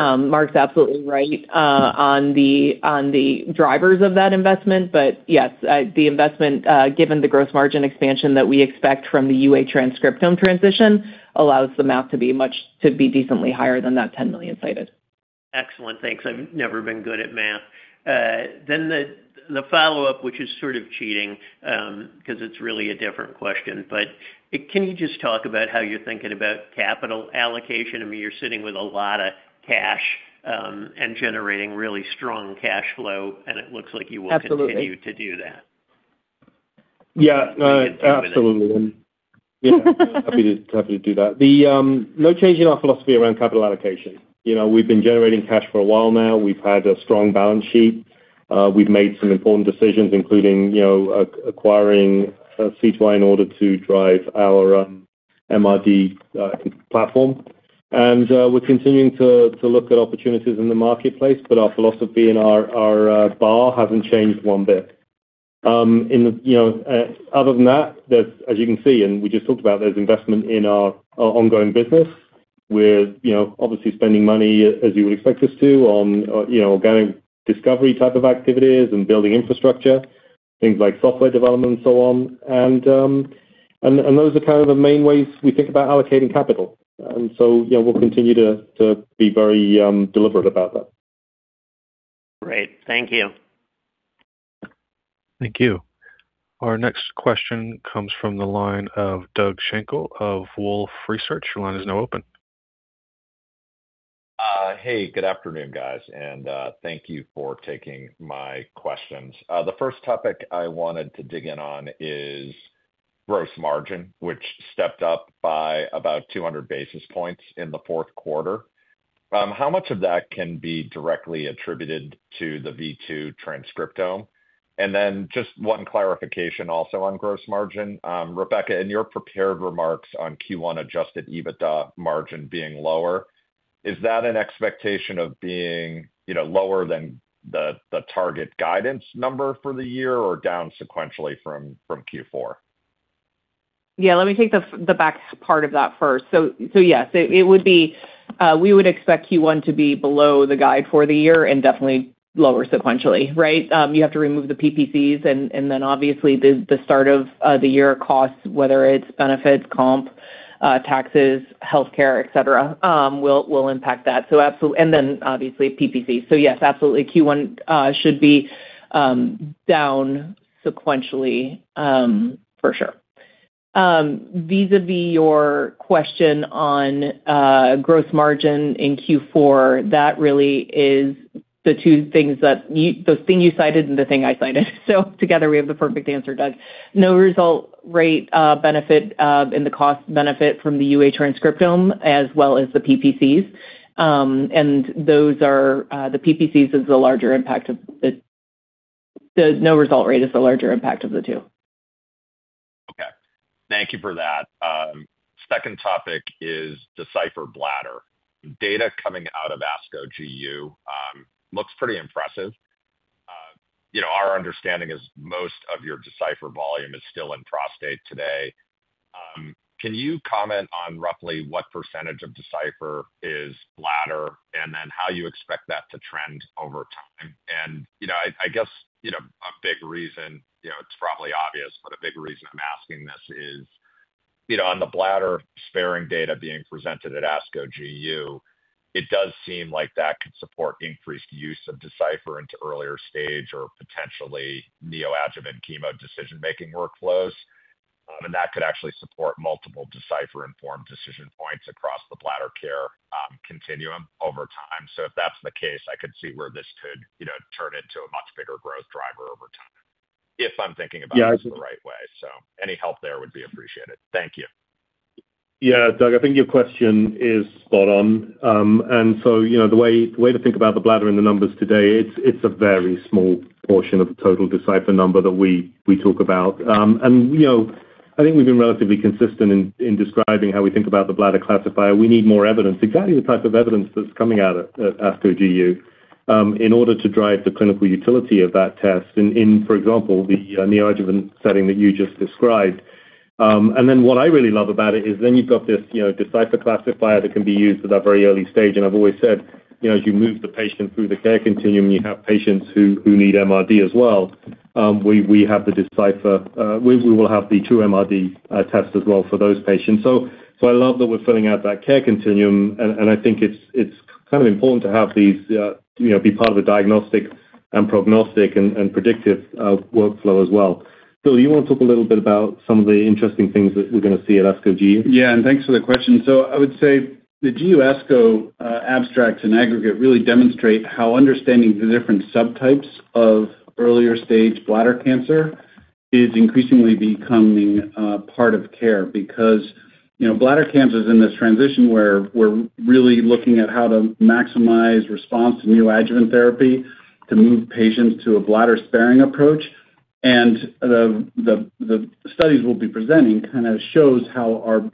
Marc's absolutely right on the drivers of that investment. Yes, the investment, given the gross margin expansion that we expect from the v2 transcriptome transition, allows the math to be decently higher than that $10 million cited. Excellent. Thanks. I've never been good at math. The follow-up, which is sort of cheating, because it's really a different question, can you just talk about how you're thinking about capital allocation? I mean, you're sitting with a lot of cash and generating really strong cash flow, and it looks like you will continue to do that. Absolutely. Absolutely. Happy to do that. No change in our philosophy around capital allocation. You know, we've been generating cash for a while now. We've had a strong balance sheet. We've made some important decisions, including, you know, acquiring C2i in order to drive our MRD platform. We're continuing to look at opportunities in the marketplace, but our philosophy and our bar hasn't changed one bit. You know, other than that, there's, as you can see, and we just talked about, there's investment in our ongoing business. We're, you know, obviously spending money, as you would expect us to, on, you know, organic discovery type of activities and building infrastructure, things like software development and so on. Those are kind of the main ways we think about allocating capital. Yeah, we'll continue to be very deliberate about that. Great. Thank you. Thank you. Our next question comes from the line of Doug Schenkel of Wolfe Research. Your line is now open. Hey, good afternoon, guys, thank you for taking my questions. The first topic I wanted to dig in on is gross margin, which stepped up by about 200 basis points in the fourth quarter. How much of that can be directly attributed to the v2 transcriptome? Just one clarification also on gross margin. Rebecca, in your prepared remarks on Q1 adjusted EBITDA margin being lower, is that an expectation of being lower than the target guidance number for the year or down sequentially from Q4? Let me take the back part of that first. Yes, it would be. We would expect Q1 to be below the guide for the year and definitely lower sequentially, right? You have to remove the PPCs and then obviously, the start of the year costs, whether it's benefits, comp, taxes, healthcare, et cetera, will impact that. Absolutely, and then obviously, PPC. Yes, absolutely, Q1 should be down sequentially for sure. Vis-a-vis your question on growth margin in Q4, that really is the two things that you the thing you cited and the thing I cited. Together, we have the perfect answer, Doug. No result rate benefit in the cost benefit from the v2 transcriptome as well as the PPCs. The no result rate is the larger impact of the 2. Okay. Thank you for that. Second topic is Decipher Bladder. Data coming out of ASCO GU looks pretty impressive. You know, our understanding is most of your Decipher volume is still in Prostate today. Can you comment on roughly what % of Decipher is bladder, then how you expect that to trend over time? You know, I guess, you know, a big reason, you know, it's probably obvious, but a big reason I'm asking this is, you know, on the bladder-sparing data being presented at ASCO GU, it does seem like that could support increased use of Decipher into earlier stage or potentially neoadjuvant chemo decision-making workflows. That could actually support multiple Decipher-informed decision points across the bladder care continuum over time. If that's the case, I could see where this could, you know, turn into a much bigger growth driver over time, if I'm thinking about this the right way. Any help there would be appreciated. Thank you. Yeah, Doug, I think your question is spot on. you know, the way to think about the bladder in the numbers today, it's a very small portion of the total Decipher number that we talk about. you know, I think we've been relatively consistent in describing how we think about the bladder classifier. We need more evidence, exactly the type of evidence that's coming out at ASCO GU in order to drive the clinical utility of that test. In, for example, the neoadjuvant setting that you just described. what I really love about it is then you've got this, you know, Decipher classifier that can be used at that very early stage. I've always said, you know, as you move the patient through the care continuum, you have patients who need MRD as well. We have the Decipher, we will have the TruMRD tests as well for those patients. I love that we're filling out that care continuum, and I think it's kind of important to have these, you know, be part of a diagnostic and prognostic and predictive workflow as well. Phil, you want to talk a little bit about some of the interesting things that we're going to see at ASCO GU? Thanks for the question. I would say the ASCO GU abstracts and aggregate really demonstrate how understanding the different subtypes of earlier stage bladder cancer is increasingly becoming part of care. You know, bladder cancer is in this transition where we're really looking at how to maximize response to neoadjuvant therapy to move patients to a bladder-sparing approach. The studies we'll be presenting kind of shows how our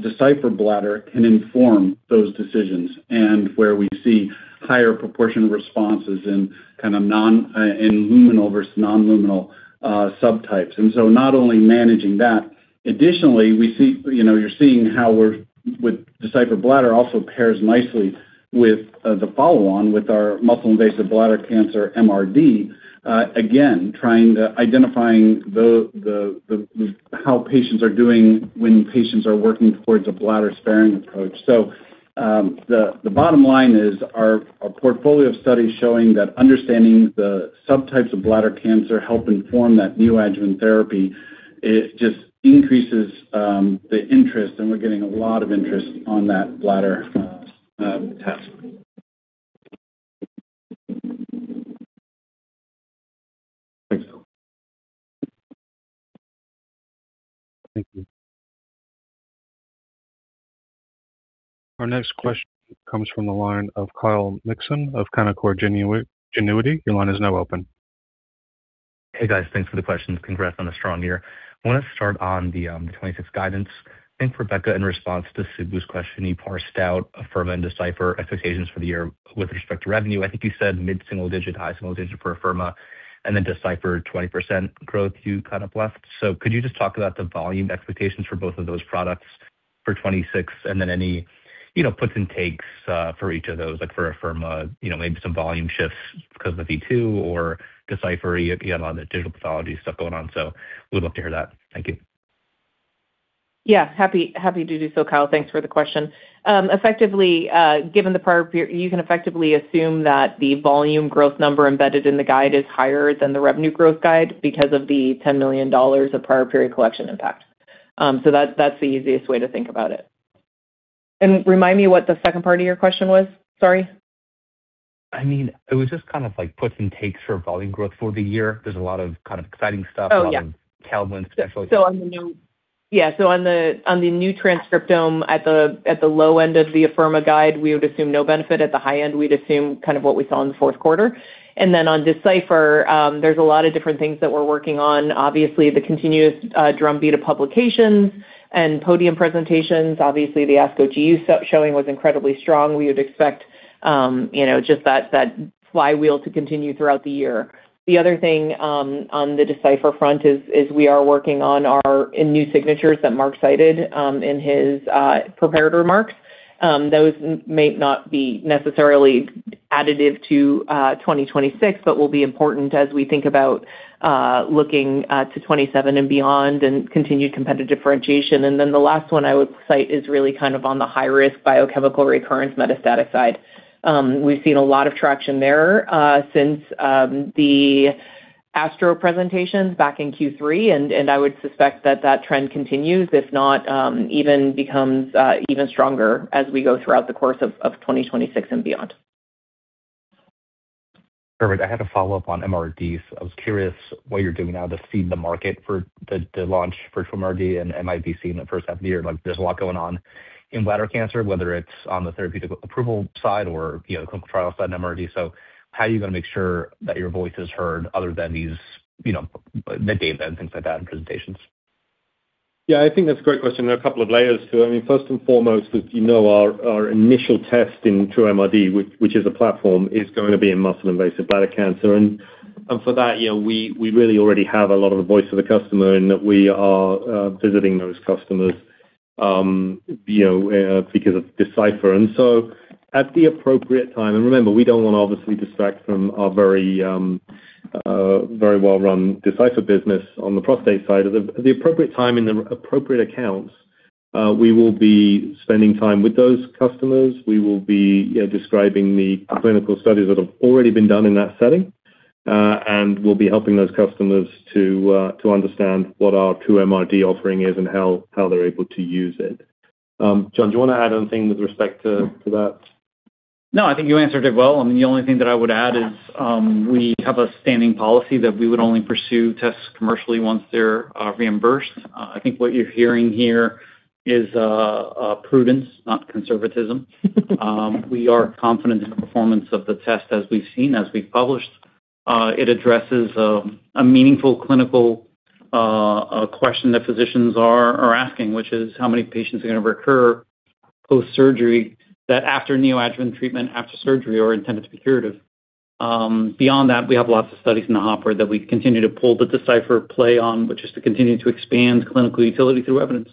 Decipher Bladder can inform those decisions, and where we see higher proportion responses in kind of non, and luminal versus non-luminal subtypes. Not only managing that, additionally, you know, you're seeing how we're, with Decipher Bladder also pairs nicely with the follow-on with our muscle-invasive bladder cancer MRD. Again, trying to identifying the how patients are doing when patients are working towards a bladder-sparing approach. The bottom line is our portfolio of studies showing that understanding the subtypes of bladder cancer help inform that neoadjuvant therapy. It just increases the interest, and we're getting a lot of interest on that bladder test. Thanks. Thank you. Our next question comes from the line of Kyle Mikson of Canaccord Genuity. Your line is now open. Hey, guys. Thanks for the questions. Congrats on a strong year. I want to start on the 2026 guidance. I think, Rebecca, in response to Subbu's question, you parsed out, Afirma and Decipher expectations for the year with respect to revenue. I think you said mid-single digit to high single digit for Afirma, and then Decipher, 20% growth, you kind of left. Could you just talk about the volume expectations for both of those products for 2026, and then any, you know, puts and takes for each of those? Like, for Afirma, you know, maybe some volume shifts because of the v2 or Decipher, you know, on the digital pathology stuff going on. Would love to hear that. Thank you. Yeah, happy to do so, Kyle. Thanks for the question. Effectively, given the prior period, you can effectively assume that the volume growth number embedded in the guide is higher than the revenue growth guide because of the $10 million of prior period collection impact. That's the easiest way to think about it. Remind me what the second part of your question was. Sorry. I mean, it was just kind of like puts and takes for volume growth for the year. There's a lot of kind of exciting stuff, [inaudible] especially. Oh, yeah. On the new transcriptome, at the low end of the Afirma guide, we would assume no benefit. At the high end, we'd assume kind of what we saw in the fourth quarter. On Decipher, there's a lot of different things that we're working on. Obviously, the continuous drum beat of publications and podium presentations. Obviously, the ASCO GU showing was incredibly strong. We would expect, you know, just that flywheel to continue throughout the year. The other thing on the Decipher front is we are working on new signatures that Marc cited in his prepared remarks. Those may not be necessarily additive to 2026, but will be important as we think about looking to 2027 and beyond and continued competitive differentiation. The last one I would cite is really kind of on the high risk biochemical recurrence metastatic side. We've seen a lot of traction there since the ASTRO presentations back in Q3, I would suspect that that trend continues, if not even becomes even stronger as we go throughout the course of 2026 and beyond. Perfect. I had a follow-up on MRD. I was curious what you're doing now to seed the market for the launch TruMRD and MIBC in the first half of the year. There's a lot going on in bladder cancer, whether it's on the therapeutic approval side or, you know, the clinical trial side, MRD. How are you going to make sure that your voice is heard other than these, you know, the data and things like that, and presentations? Yeah, I think that's a great question. There are a couple of layers to it. I mean, first and foremost, as you know, our initial test in TruMRD, which is a platform, is going to be in muscle-invasive bladder cancer. For that, you know, we really already have a lot of the voice of the customer, and that we are visiting those customers, you know, because of Decipher. At the appropriate time. Remember, we don't want to obviously distract from our very, very well-run Decipher business on the prostate side. At the appropriate time and the appropriate accounts, we will be spending time with those customers. We will be, you know, describing the clinical studies that have already been done in that setting, and we'll be helping those customers to understand what our TruMRD offering is and how they're able to use it. John, do you want to add anything with respect to that? No, I think you answered it well. I mean, the only thing that I would add is, we have a standing policy that we would only pursue tests commercially once they're reimbursed. I think what you're hearing here is a prudence, not conservatism. We are confident in the performance of the test as we've seen, as we've published. It addresses a meaningful clinical question that physicians are asking, which is how many patients are going to recur post-surgery, that after neoadjuvant treatment, after surgery, are intended to be curative. Beyond that, we have lots of studies in the hopper that we continue to pull the Decipher play on, which is to continue to expand clinical utility through evidence.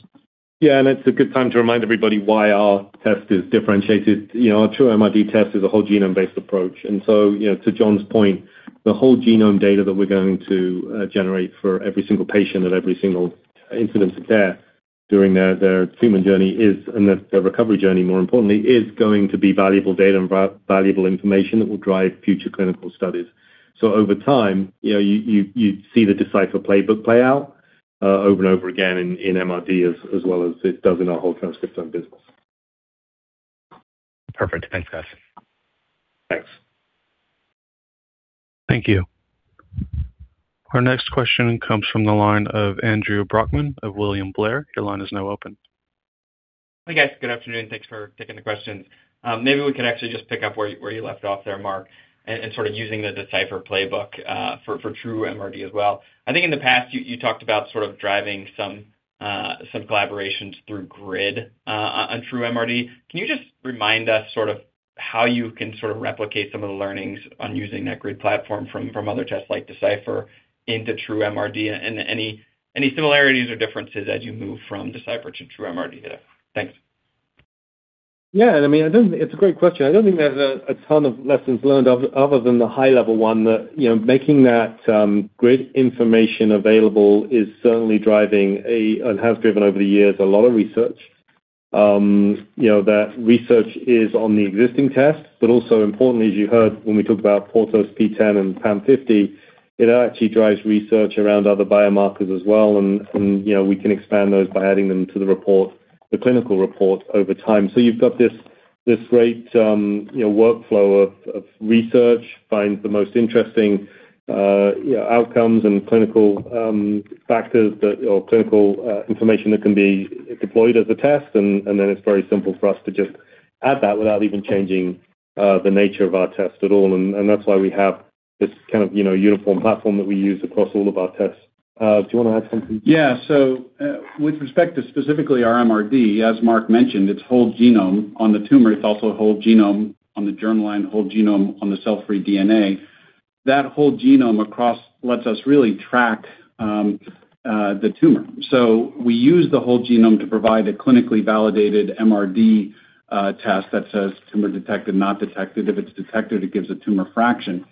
It's a good time to remind everybody why our test is differentiated. You know, our TruMRD test is a whole genome-based approach, and you know, to John's point, the whole genome data that we're going to generate for every single patient at every single incidence of care during their treatment journey is, and their recovery journey, more importantly, is going to be valuable data and valuable information that will drive future clinical studies. Over time, you know, you see the Decipher playbook play out over and over again in MRD as well as it does in our whole-transcriptome business. Perfect. Thanks, guys. Thanks. Thank you. Our next question comes from the line of Andrew Brackmann of William Blair. Your line is now open. Hi, guys. Good afternoon. Thanks for taking the questions. Maybe we can actually just pick up where you left off there, Marc, sort of using the Decipher playbook for TruMRD as well. I think in the past, you talked about sort of driving some collaborations through Grid on TruMRD. Can you just remind us sort of how you can sort of replicate some of the learnings on using that Grid platform from other tests like Decipher into TruMRD? Any similarities or differences as you move from Decipher to TruMRD? Thanks. I mean, I don't. It's a great question. I don't think there's a ton of lessons learned other than the high level one, that, you know, making that great information available is certainly driving a, and has driven over the years, a lot of research. You know, that research is on the existing test, but also importantly, as you heard when we talked about PORTOS, PTEN, and PAM50, it actually drives research around other biomarkers as well, and, you know, we can expand those by adding them to the report, the clinical report over time. You've got this great, you know, workflow of research, find the most interesting outcomes and clinical factors that or clinical information that can be deployed as a test. Then it's very simple for us to just add that without even changing the nature of our test at all. That's why we have this kind of, you know, uniform platform that we use across all of our tests. Do you wanna add something? With respect to specifically our MRD, as Marc mentioned, it's whole genome on the tumor. It's also a whole genome on the germline, whole genome on the cell-free DNA. That whole genome across lets us really track the tumor. We use the whole genome to provide a clinically validated MRD test that says, tumor detected, not detected. If it's detected, it gives a tumor fraction.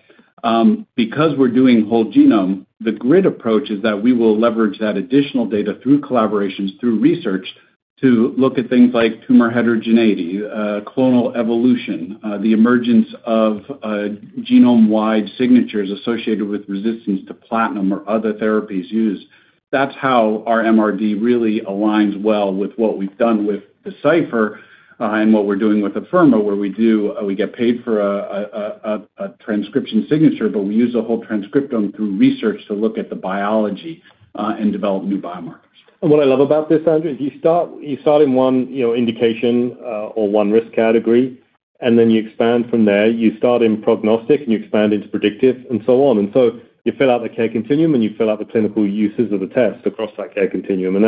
Because we're doing whole genome, the grid approach is that we will leverage that additional data through collaborations, through research, to look at things like tumor heterogeneity, clonal evolution, the emergence of genome-wide signatures associated with resistance to platinum or other therapies used. That's how our MRD really aligns well with what we've done with Decipher, and what we're doing with Afirma, where we get paid for a, a transcription signature, but we use a whole transcriptome through research to look at the biology, and develop new biomarkers. What I love about this, Andrew, is you start in one, you know, indication, or one risk category, and then you expand from there. You start in prognostic, and you expand into predictive and so on. So you fill out the care continuum, and you fill out the clinical uses of the test across that care continuum.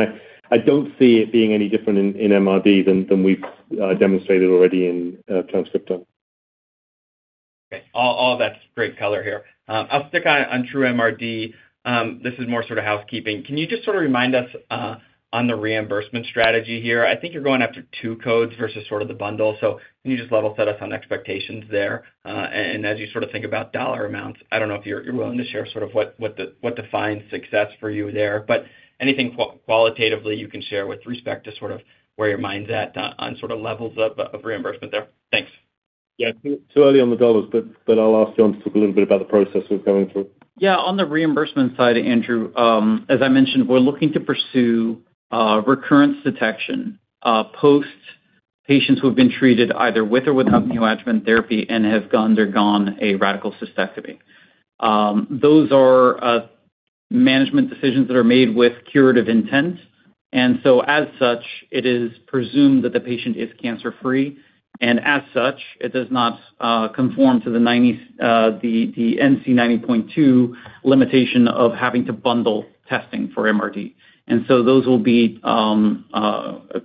I don't see it being any different in MRD than we've demonstrated already in transcriptome. Okay. All that's great color here. I'll stick on TruMRD. This is more sort of housekeeping. Can you just sort of remind us on the reimbursement strategy here? I think you're going after two codes versus sort of the bundle. Can you just level-set us on expectations there? And as you sort of think about dollar amounts, I don't know if you're willing to share sort of what defines success for you there, but anything qualitatively you can share with respect to sort of where your mind's at on sort of levels of reimbursement there. Thanks. Yeah. Too early on the dollars, but I'll ask John to talk a little bit about the process we're going through. On the reimbursement side, Andrew, as I mentioned, we're looking to pursue recurrence detection post patients who have been treated either with or without neoadjuvant therapy and undergone a radical cystectomy. Those are management decisions that are made with curative intent, and so as such, it is presumed that the patient is cancer-free, and as such, it does not conform to the NCD 90.2 limitation of having to bundle testing for MRD. Those will be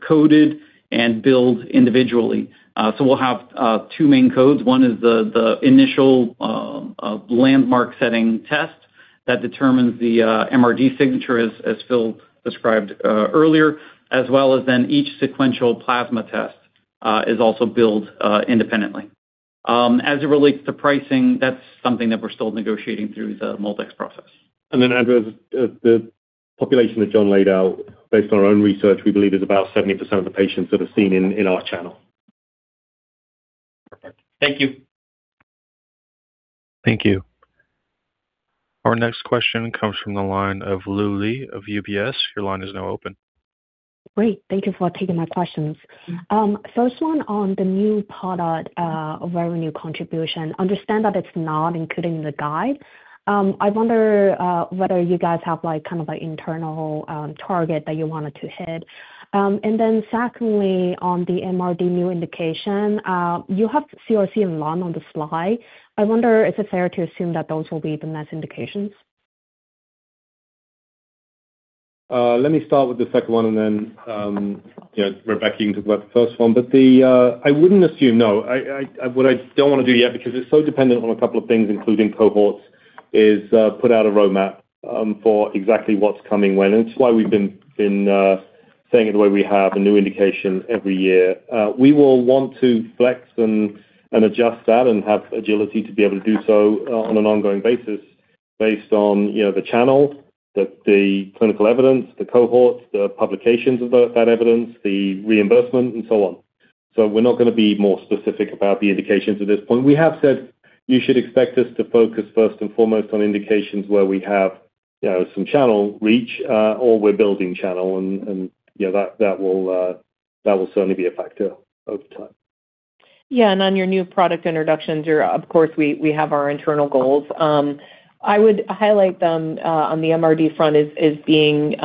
coded and billed individually. We'll have two main codes. One is the initial landmark setting test that determines the MRD signature, as Phil described earlier, as well as then each sequential plasma test is also billed independently. As it relates to pricing, that's something that we're still negotiating through the MolDX process. Andrew, the population that John laid out, based on our own research, we believe is about 70% of the patients that are seen in our channel. Perfect. Thank you. Thank you. Our next question comes from the line of Lu Li of UBS. Your line is now open. Great. Thank you for taking my questions. First one on the new product, revenue contribution. Understand that it's not including the guide. I wonder whether you guys have, like, kind of an internal target that you wanted to hit. Secondly, on the MRD new indication, you have CRC and lung on the slide. I wonder, is it fair to assume that those will be the next indications? Let me start with the second one and then, you know, Rebecca, you can talk about the first one. I wouldn't assume, no. I, what I don't want to do yet, because it's so dependent on a couple of things, including cohorts, is, put out a roadmap, for exactly what's coming when. It's why we've been saying it the way we have, a new indication every year. We will want to flex and adjust that and have agility to be able to do so on an ongoing basis based on, you know, the channel, the clinical evidence, the cohorts, the publications of that evidence, the reimbursement, and so on. We're not going to be more specific about the indications at this point. We have said you should expect us to focus first and foremost on indications where we have, you know, some channel reach, or we're building channel and, you know, that will certainly be a factor over time. Yeah, on your new product introductions, of course, we have our internal goals. I would highlight them on the MRD front as being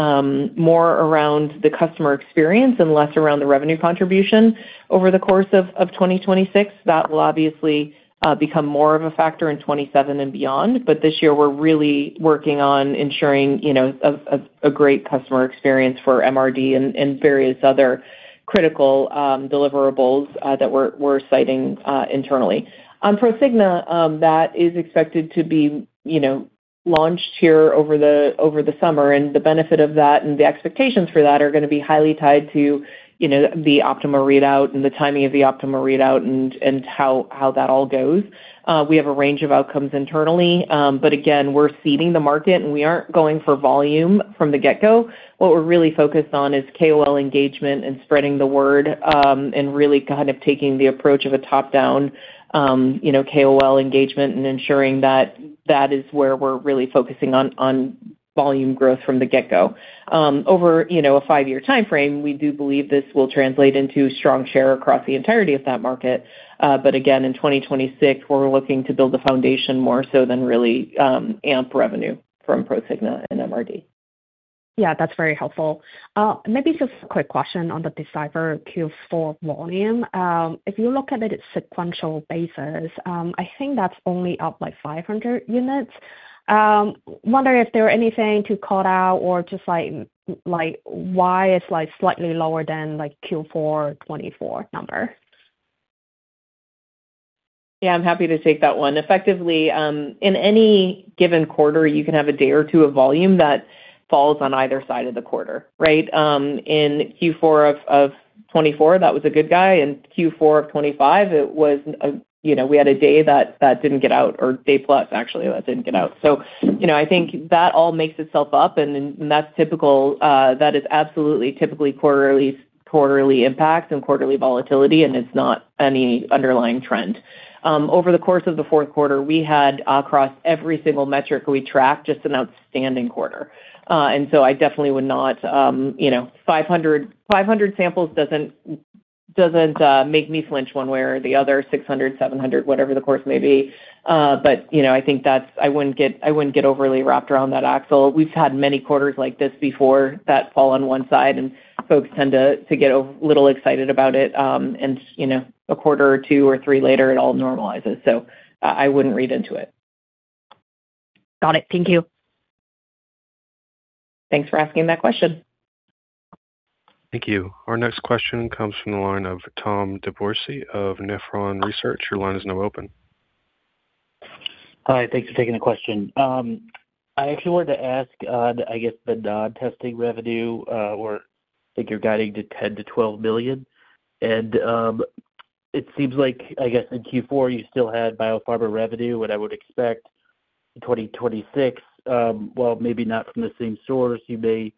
more around the customer experience and less around the revenue contribution over the course of 2026. That will obviously become more of a factor in 2027 and beyond. This year, we're really working on ensuring, you know, a great customer experience for MRD and various other critical deliverables that we're citing internally. On Prosigna, that is expected to be, you know, launched here over the summer, and the benefit of that and the expectations for that are going to be highly tied to, you know, the OPTIMA readout and the timing of the OPTIMA readout and how that all goes. We have a range of outcomes internally, again, we're seeding the market, and we aren't going for volume from the get-go. What we're really focused on is KOL engagement and spreading the word, and really kind of taking the approach of a top-down, you know, KOL engagement and ensuring that that is where we're really focusing on volume growth from the get-go. Over, you know, a five-year timeframe, we do believe this will translate into strong share across the entirety of that market. Again, in 2026, we're looking to build a foundation more so than really amp revenue from Prosigna and MRD. Yeah, that's very helpful. Maybe just a quick question on the Decipher Q4 volume. If you look at it sequential basis, I think that's only up by 500 units. Wondering if there was anything to call out or just like, why it's, like, slightly lower than, like, Q4 24 number? Yeah, I'm happy to take that one. Effectively, in any given quarter, you can have a day or two of volume that falls on either side of the quarter, right? In Q4 of 2024, that was a good guy, in Q4 of 2025, you know, we had a day that didn't get out, or day plus, actually, that didn't get out. You know, I think that all makes itself up, and that's typical. That is absolutely typically quarterly impact and quarterly volatility, and it's not any underlying trend. Over the course of the fourth quarter, we had, across every single metric we tracked, just an outstanding quarter. I definitely would not. You know, 500 samples doesn't make me flinch one way or the other, 600, 700, whatever the course may be. You know, I think that's I wouldn't get overly wrapped around that axle. We've had many quarters like this before that fall on one side, folks tend to get a little excited about it, you know, a quarter or two or thee later, it all normalizes. I wouldn't read into it. Got it. Thank you. Thanks for asking that question. Thank you. Our next question comes from the line of Tom DeBourcy of Nephron Research. Your line is now open. Hi, thanks for taking the question. I actually wanted to ask, I guess, the DoD testing revenue, or I think you're guiding to $10 million-$12 million. It seems like, I guess in Q4, you still had biopharma revenue, what I would expect in 2026. Well, maybe not from the same source. You may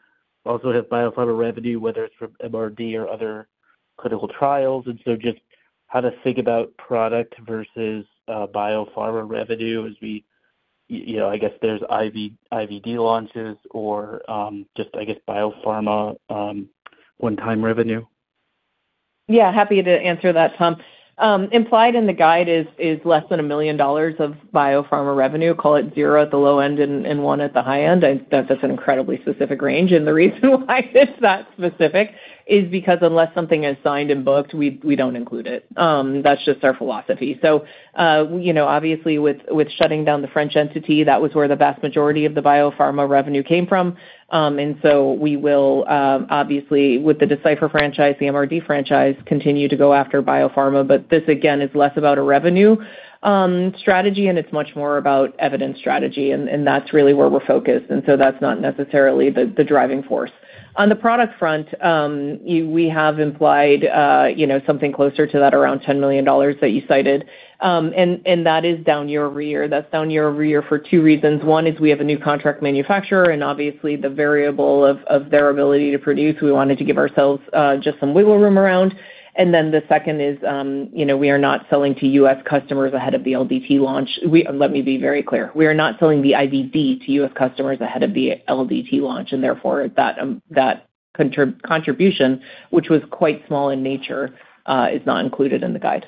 also have biopharma revenue, whether it's from MRD or other clinical trials, just how to think about product versus, biopharma revenue as we, you know, I guess there's IVD launches or, just, I guess, biopharma, one-time revenue. Yeah, happy to answer that, Tom. Implied in the guide is less than $1 million of biopharma revenue. Call it zero at the low end and one at the high end. That's an incredibly specific range, the reason why it's that specific is because unless something is signed and booked, we don't include it. That's just our philosophy. You know, obviously, with shutting down the French entity, that was where the vast majority of the biopharma revenue came from. We will, obviously, with the Decipher franchise, the MRD franchise, continue to go after biopharma. This, again, is less about a revenue strategy, it's much more about evidence strategy, that's really where we're focused. That's not necessarily the driving force. On the product front, we have implied, you know, something closer to that around $10 million that you cited. That is down year-over-year. That's down year-over-year for two reasons. One is we have a new contract manufacturer and obviously the variable of their ability to produce. We wanted to give ourselves just some wiggle room around. The second is, you know, we are not selling to U.S. customers ahead of the LDT launch. Let me be very clear. We are not selling the IVD to U.S. customers ahead of the LDT launch, therefore, that contribution, which was quite small in nature, is not included in the guide.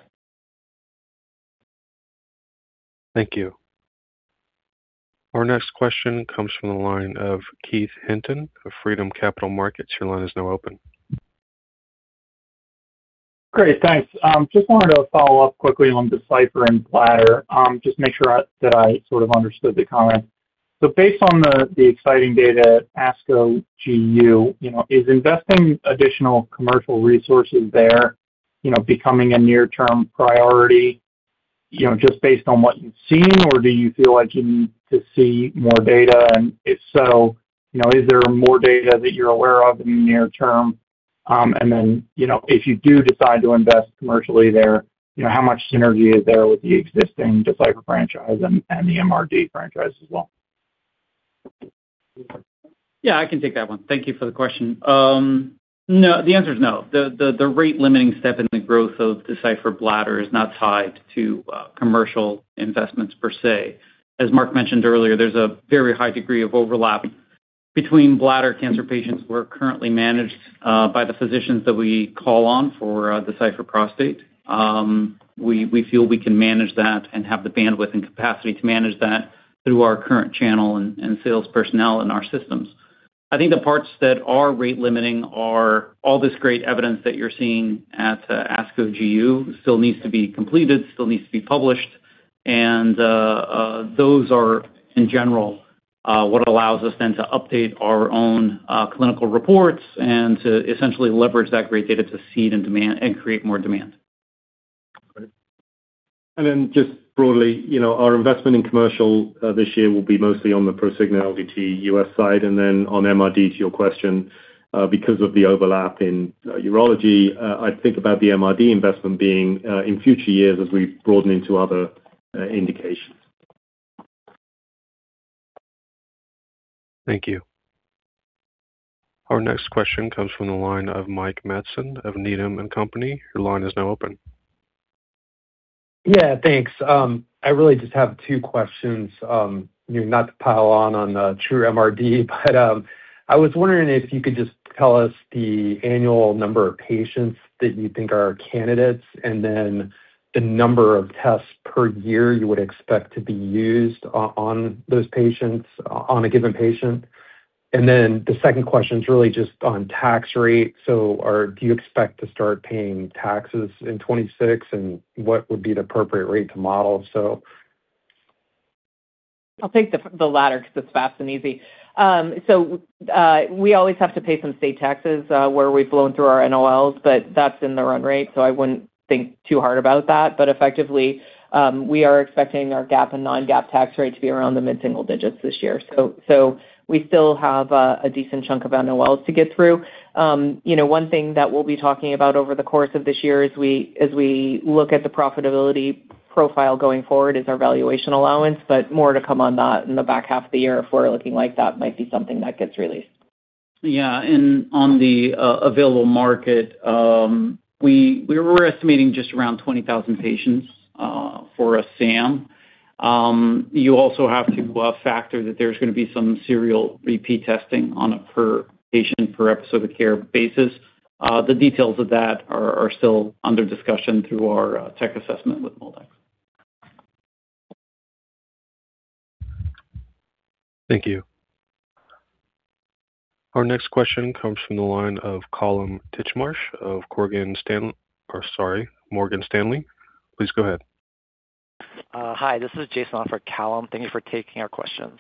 Thank you. Our next question comes from the line of Keith Hinton of Freedom Capital Markets. Your line is now open. Great, thanks. just wanted to follow up quickly on Decipher and Bladder. just make sure I, that I sort of understood the comment. Based on the exciting data, ASCO GU, you know, is investing additional commercial resources there, you know, becoming a near-term priority, you know, just based on what you've seen? Or do you feel like you need to see more data? If so, you know, is there more data that you're aware of in the near term? if you do decide to invest commercially there, you know, how much synergy is there with the existing Decipher franchise and the MRD franchise as well? Yeah, I can take that one. Thank you for the question. No, the answer is no. The rate-limiting step in the growth of Decipher Bladder is not tied to commercial investments per se. As Marc mentioned earlier, there's a very high degree of overlap between bladder cancer patients who are currently managed by the physicians that we call on for Decipher Prostate. We feel we can manage that and have the bandwidth and capacity to manage that through our current channel and sales personnel and our systems. I think the parts that are rate-limiting are all this great evidence that you're seeing at ASCO-GU, still needs to be completed, still needs to be published. Those are, in general, what allows us then to update our own clinical reports and to essentially leverage that great data to seed and create more demand. Just broadly, you know, our investment in commercial this year will be mostly on the Prosigna LDT U.S. side, and then on MRD, to your question, because of the overlap in urology, I think about the MRD investment being in future years as we broaden into other indications. Thank you. Our next question comes from the line of Mike Matson of Needham & Company. Your line is now open. Yeah, thanks. I really just have two questions, not to pile on TruMRD, but I was wondering if you could just tell us the annual number of patients that you think are candidates, and then the number of tests per year you would expect to be used on those patients, on a given patient. The second question is really just on tax rate. Do you expect to start paying taxes in 2026, and what would be the appropriate rate to model? I'll take the latter because it's fast and easy. We always have to pay some state taxes, where we've flown through our NOLs, but that's in the run rate, so I wouldn't think too hard about that. Effectively, we are expecting our GAAP and non-GAAP tax rate to be around the mid-single digits this year. We still have a decent chunk of our NOLs to get through. You know, one thing that we'll be talking about over the course of this year, as we look at the profitability profile going forward, is our valuation allowance, but more to come on that in the back half of the year, if we're looking like that might be something that gets released. On the available market, we were estimating just around 20,000 patients for a SAM. You also have to factor that there's going to be some serial repeat testing on a per patient, per episode of care basis. The details of that are still under discussion through our tech assessment with MolDX. Thank you. Our next question comes from the line of Kallum Titchmarsh of Morgan Stanley. Sorry, Morgan Stanley. Please go ahead. Hi, this is Jason for Kallum. Thank you for taking our questions.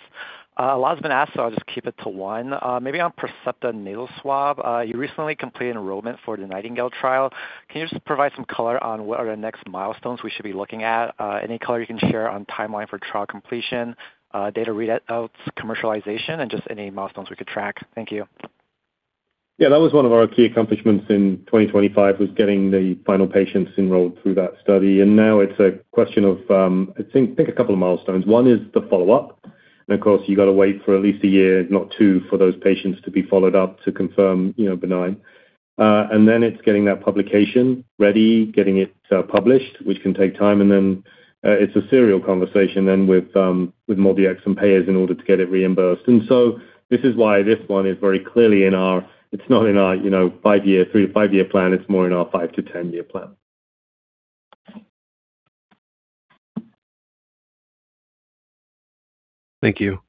A lot has been asked, so I'll just keep it to one. Maybe on Percepta Nasal Swab. You recently completed enrollment for the NIGHTINGALE trial. Can you just provide some color on what are the next milestones we should be looking at? Any color you can share on timeline for trial completion, data readouts, commercialization, and just any milestones we could track? Thank you. Yeah, that was one of our key accomplishments in 2025, was getting the final patients enrolled through that study. Now it's a question of, I think, pick a couple of milestones. One is the follow-up. Of course, you've got to wait for at least a year, if not two, for those patients to be followed up to confirm, you know, benign. Then it's getting that publication ready, getting it published, which can take time, then it's a serial conversation then with MolDX and payers in order to get it reimbursed. This is why this one is very clearly in our... It's not in our, you know, five-year, three to five-year plan. It's more in our five to 10-year plan. Thank you.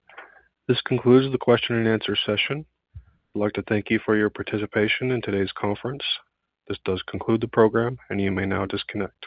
This concludes the question and answer session. I'd like to thank you for your participation in today's conference. This does conclude the program. You may now disconnect.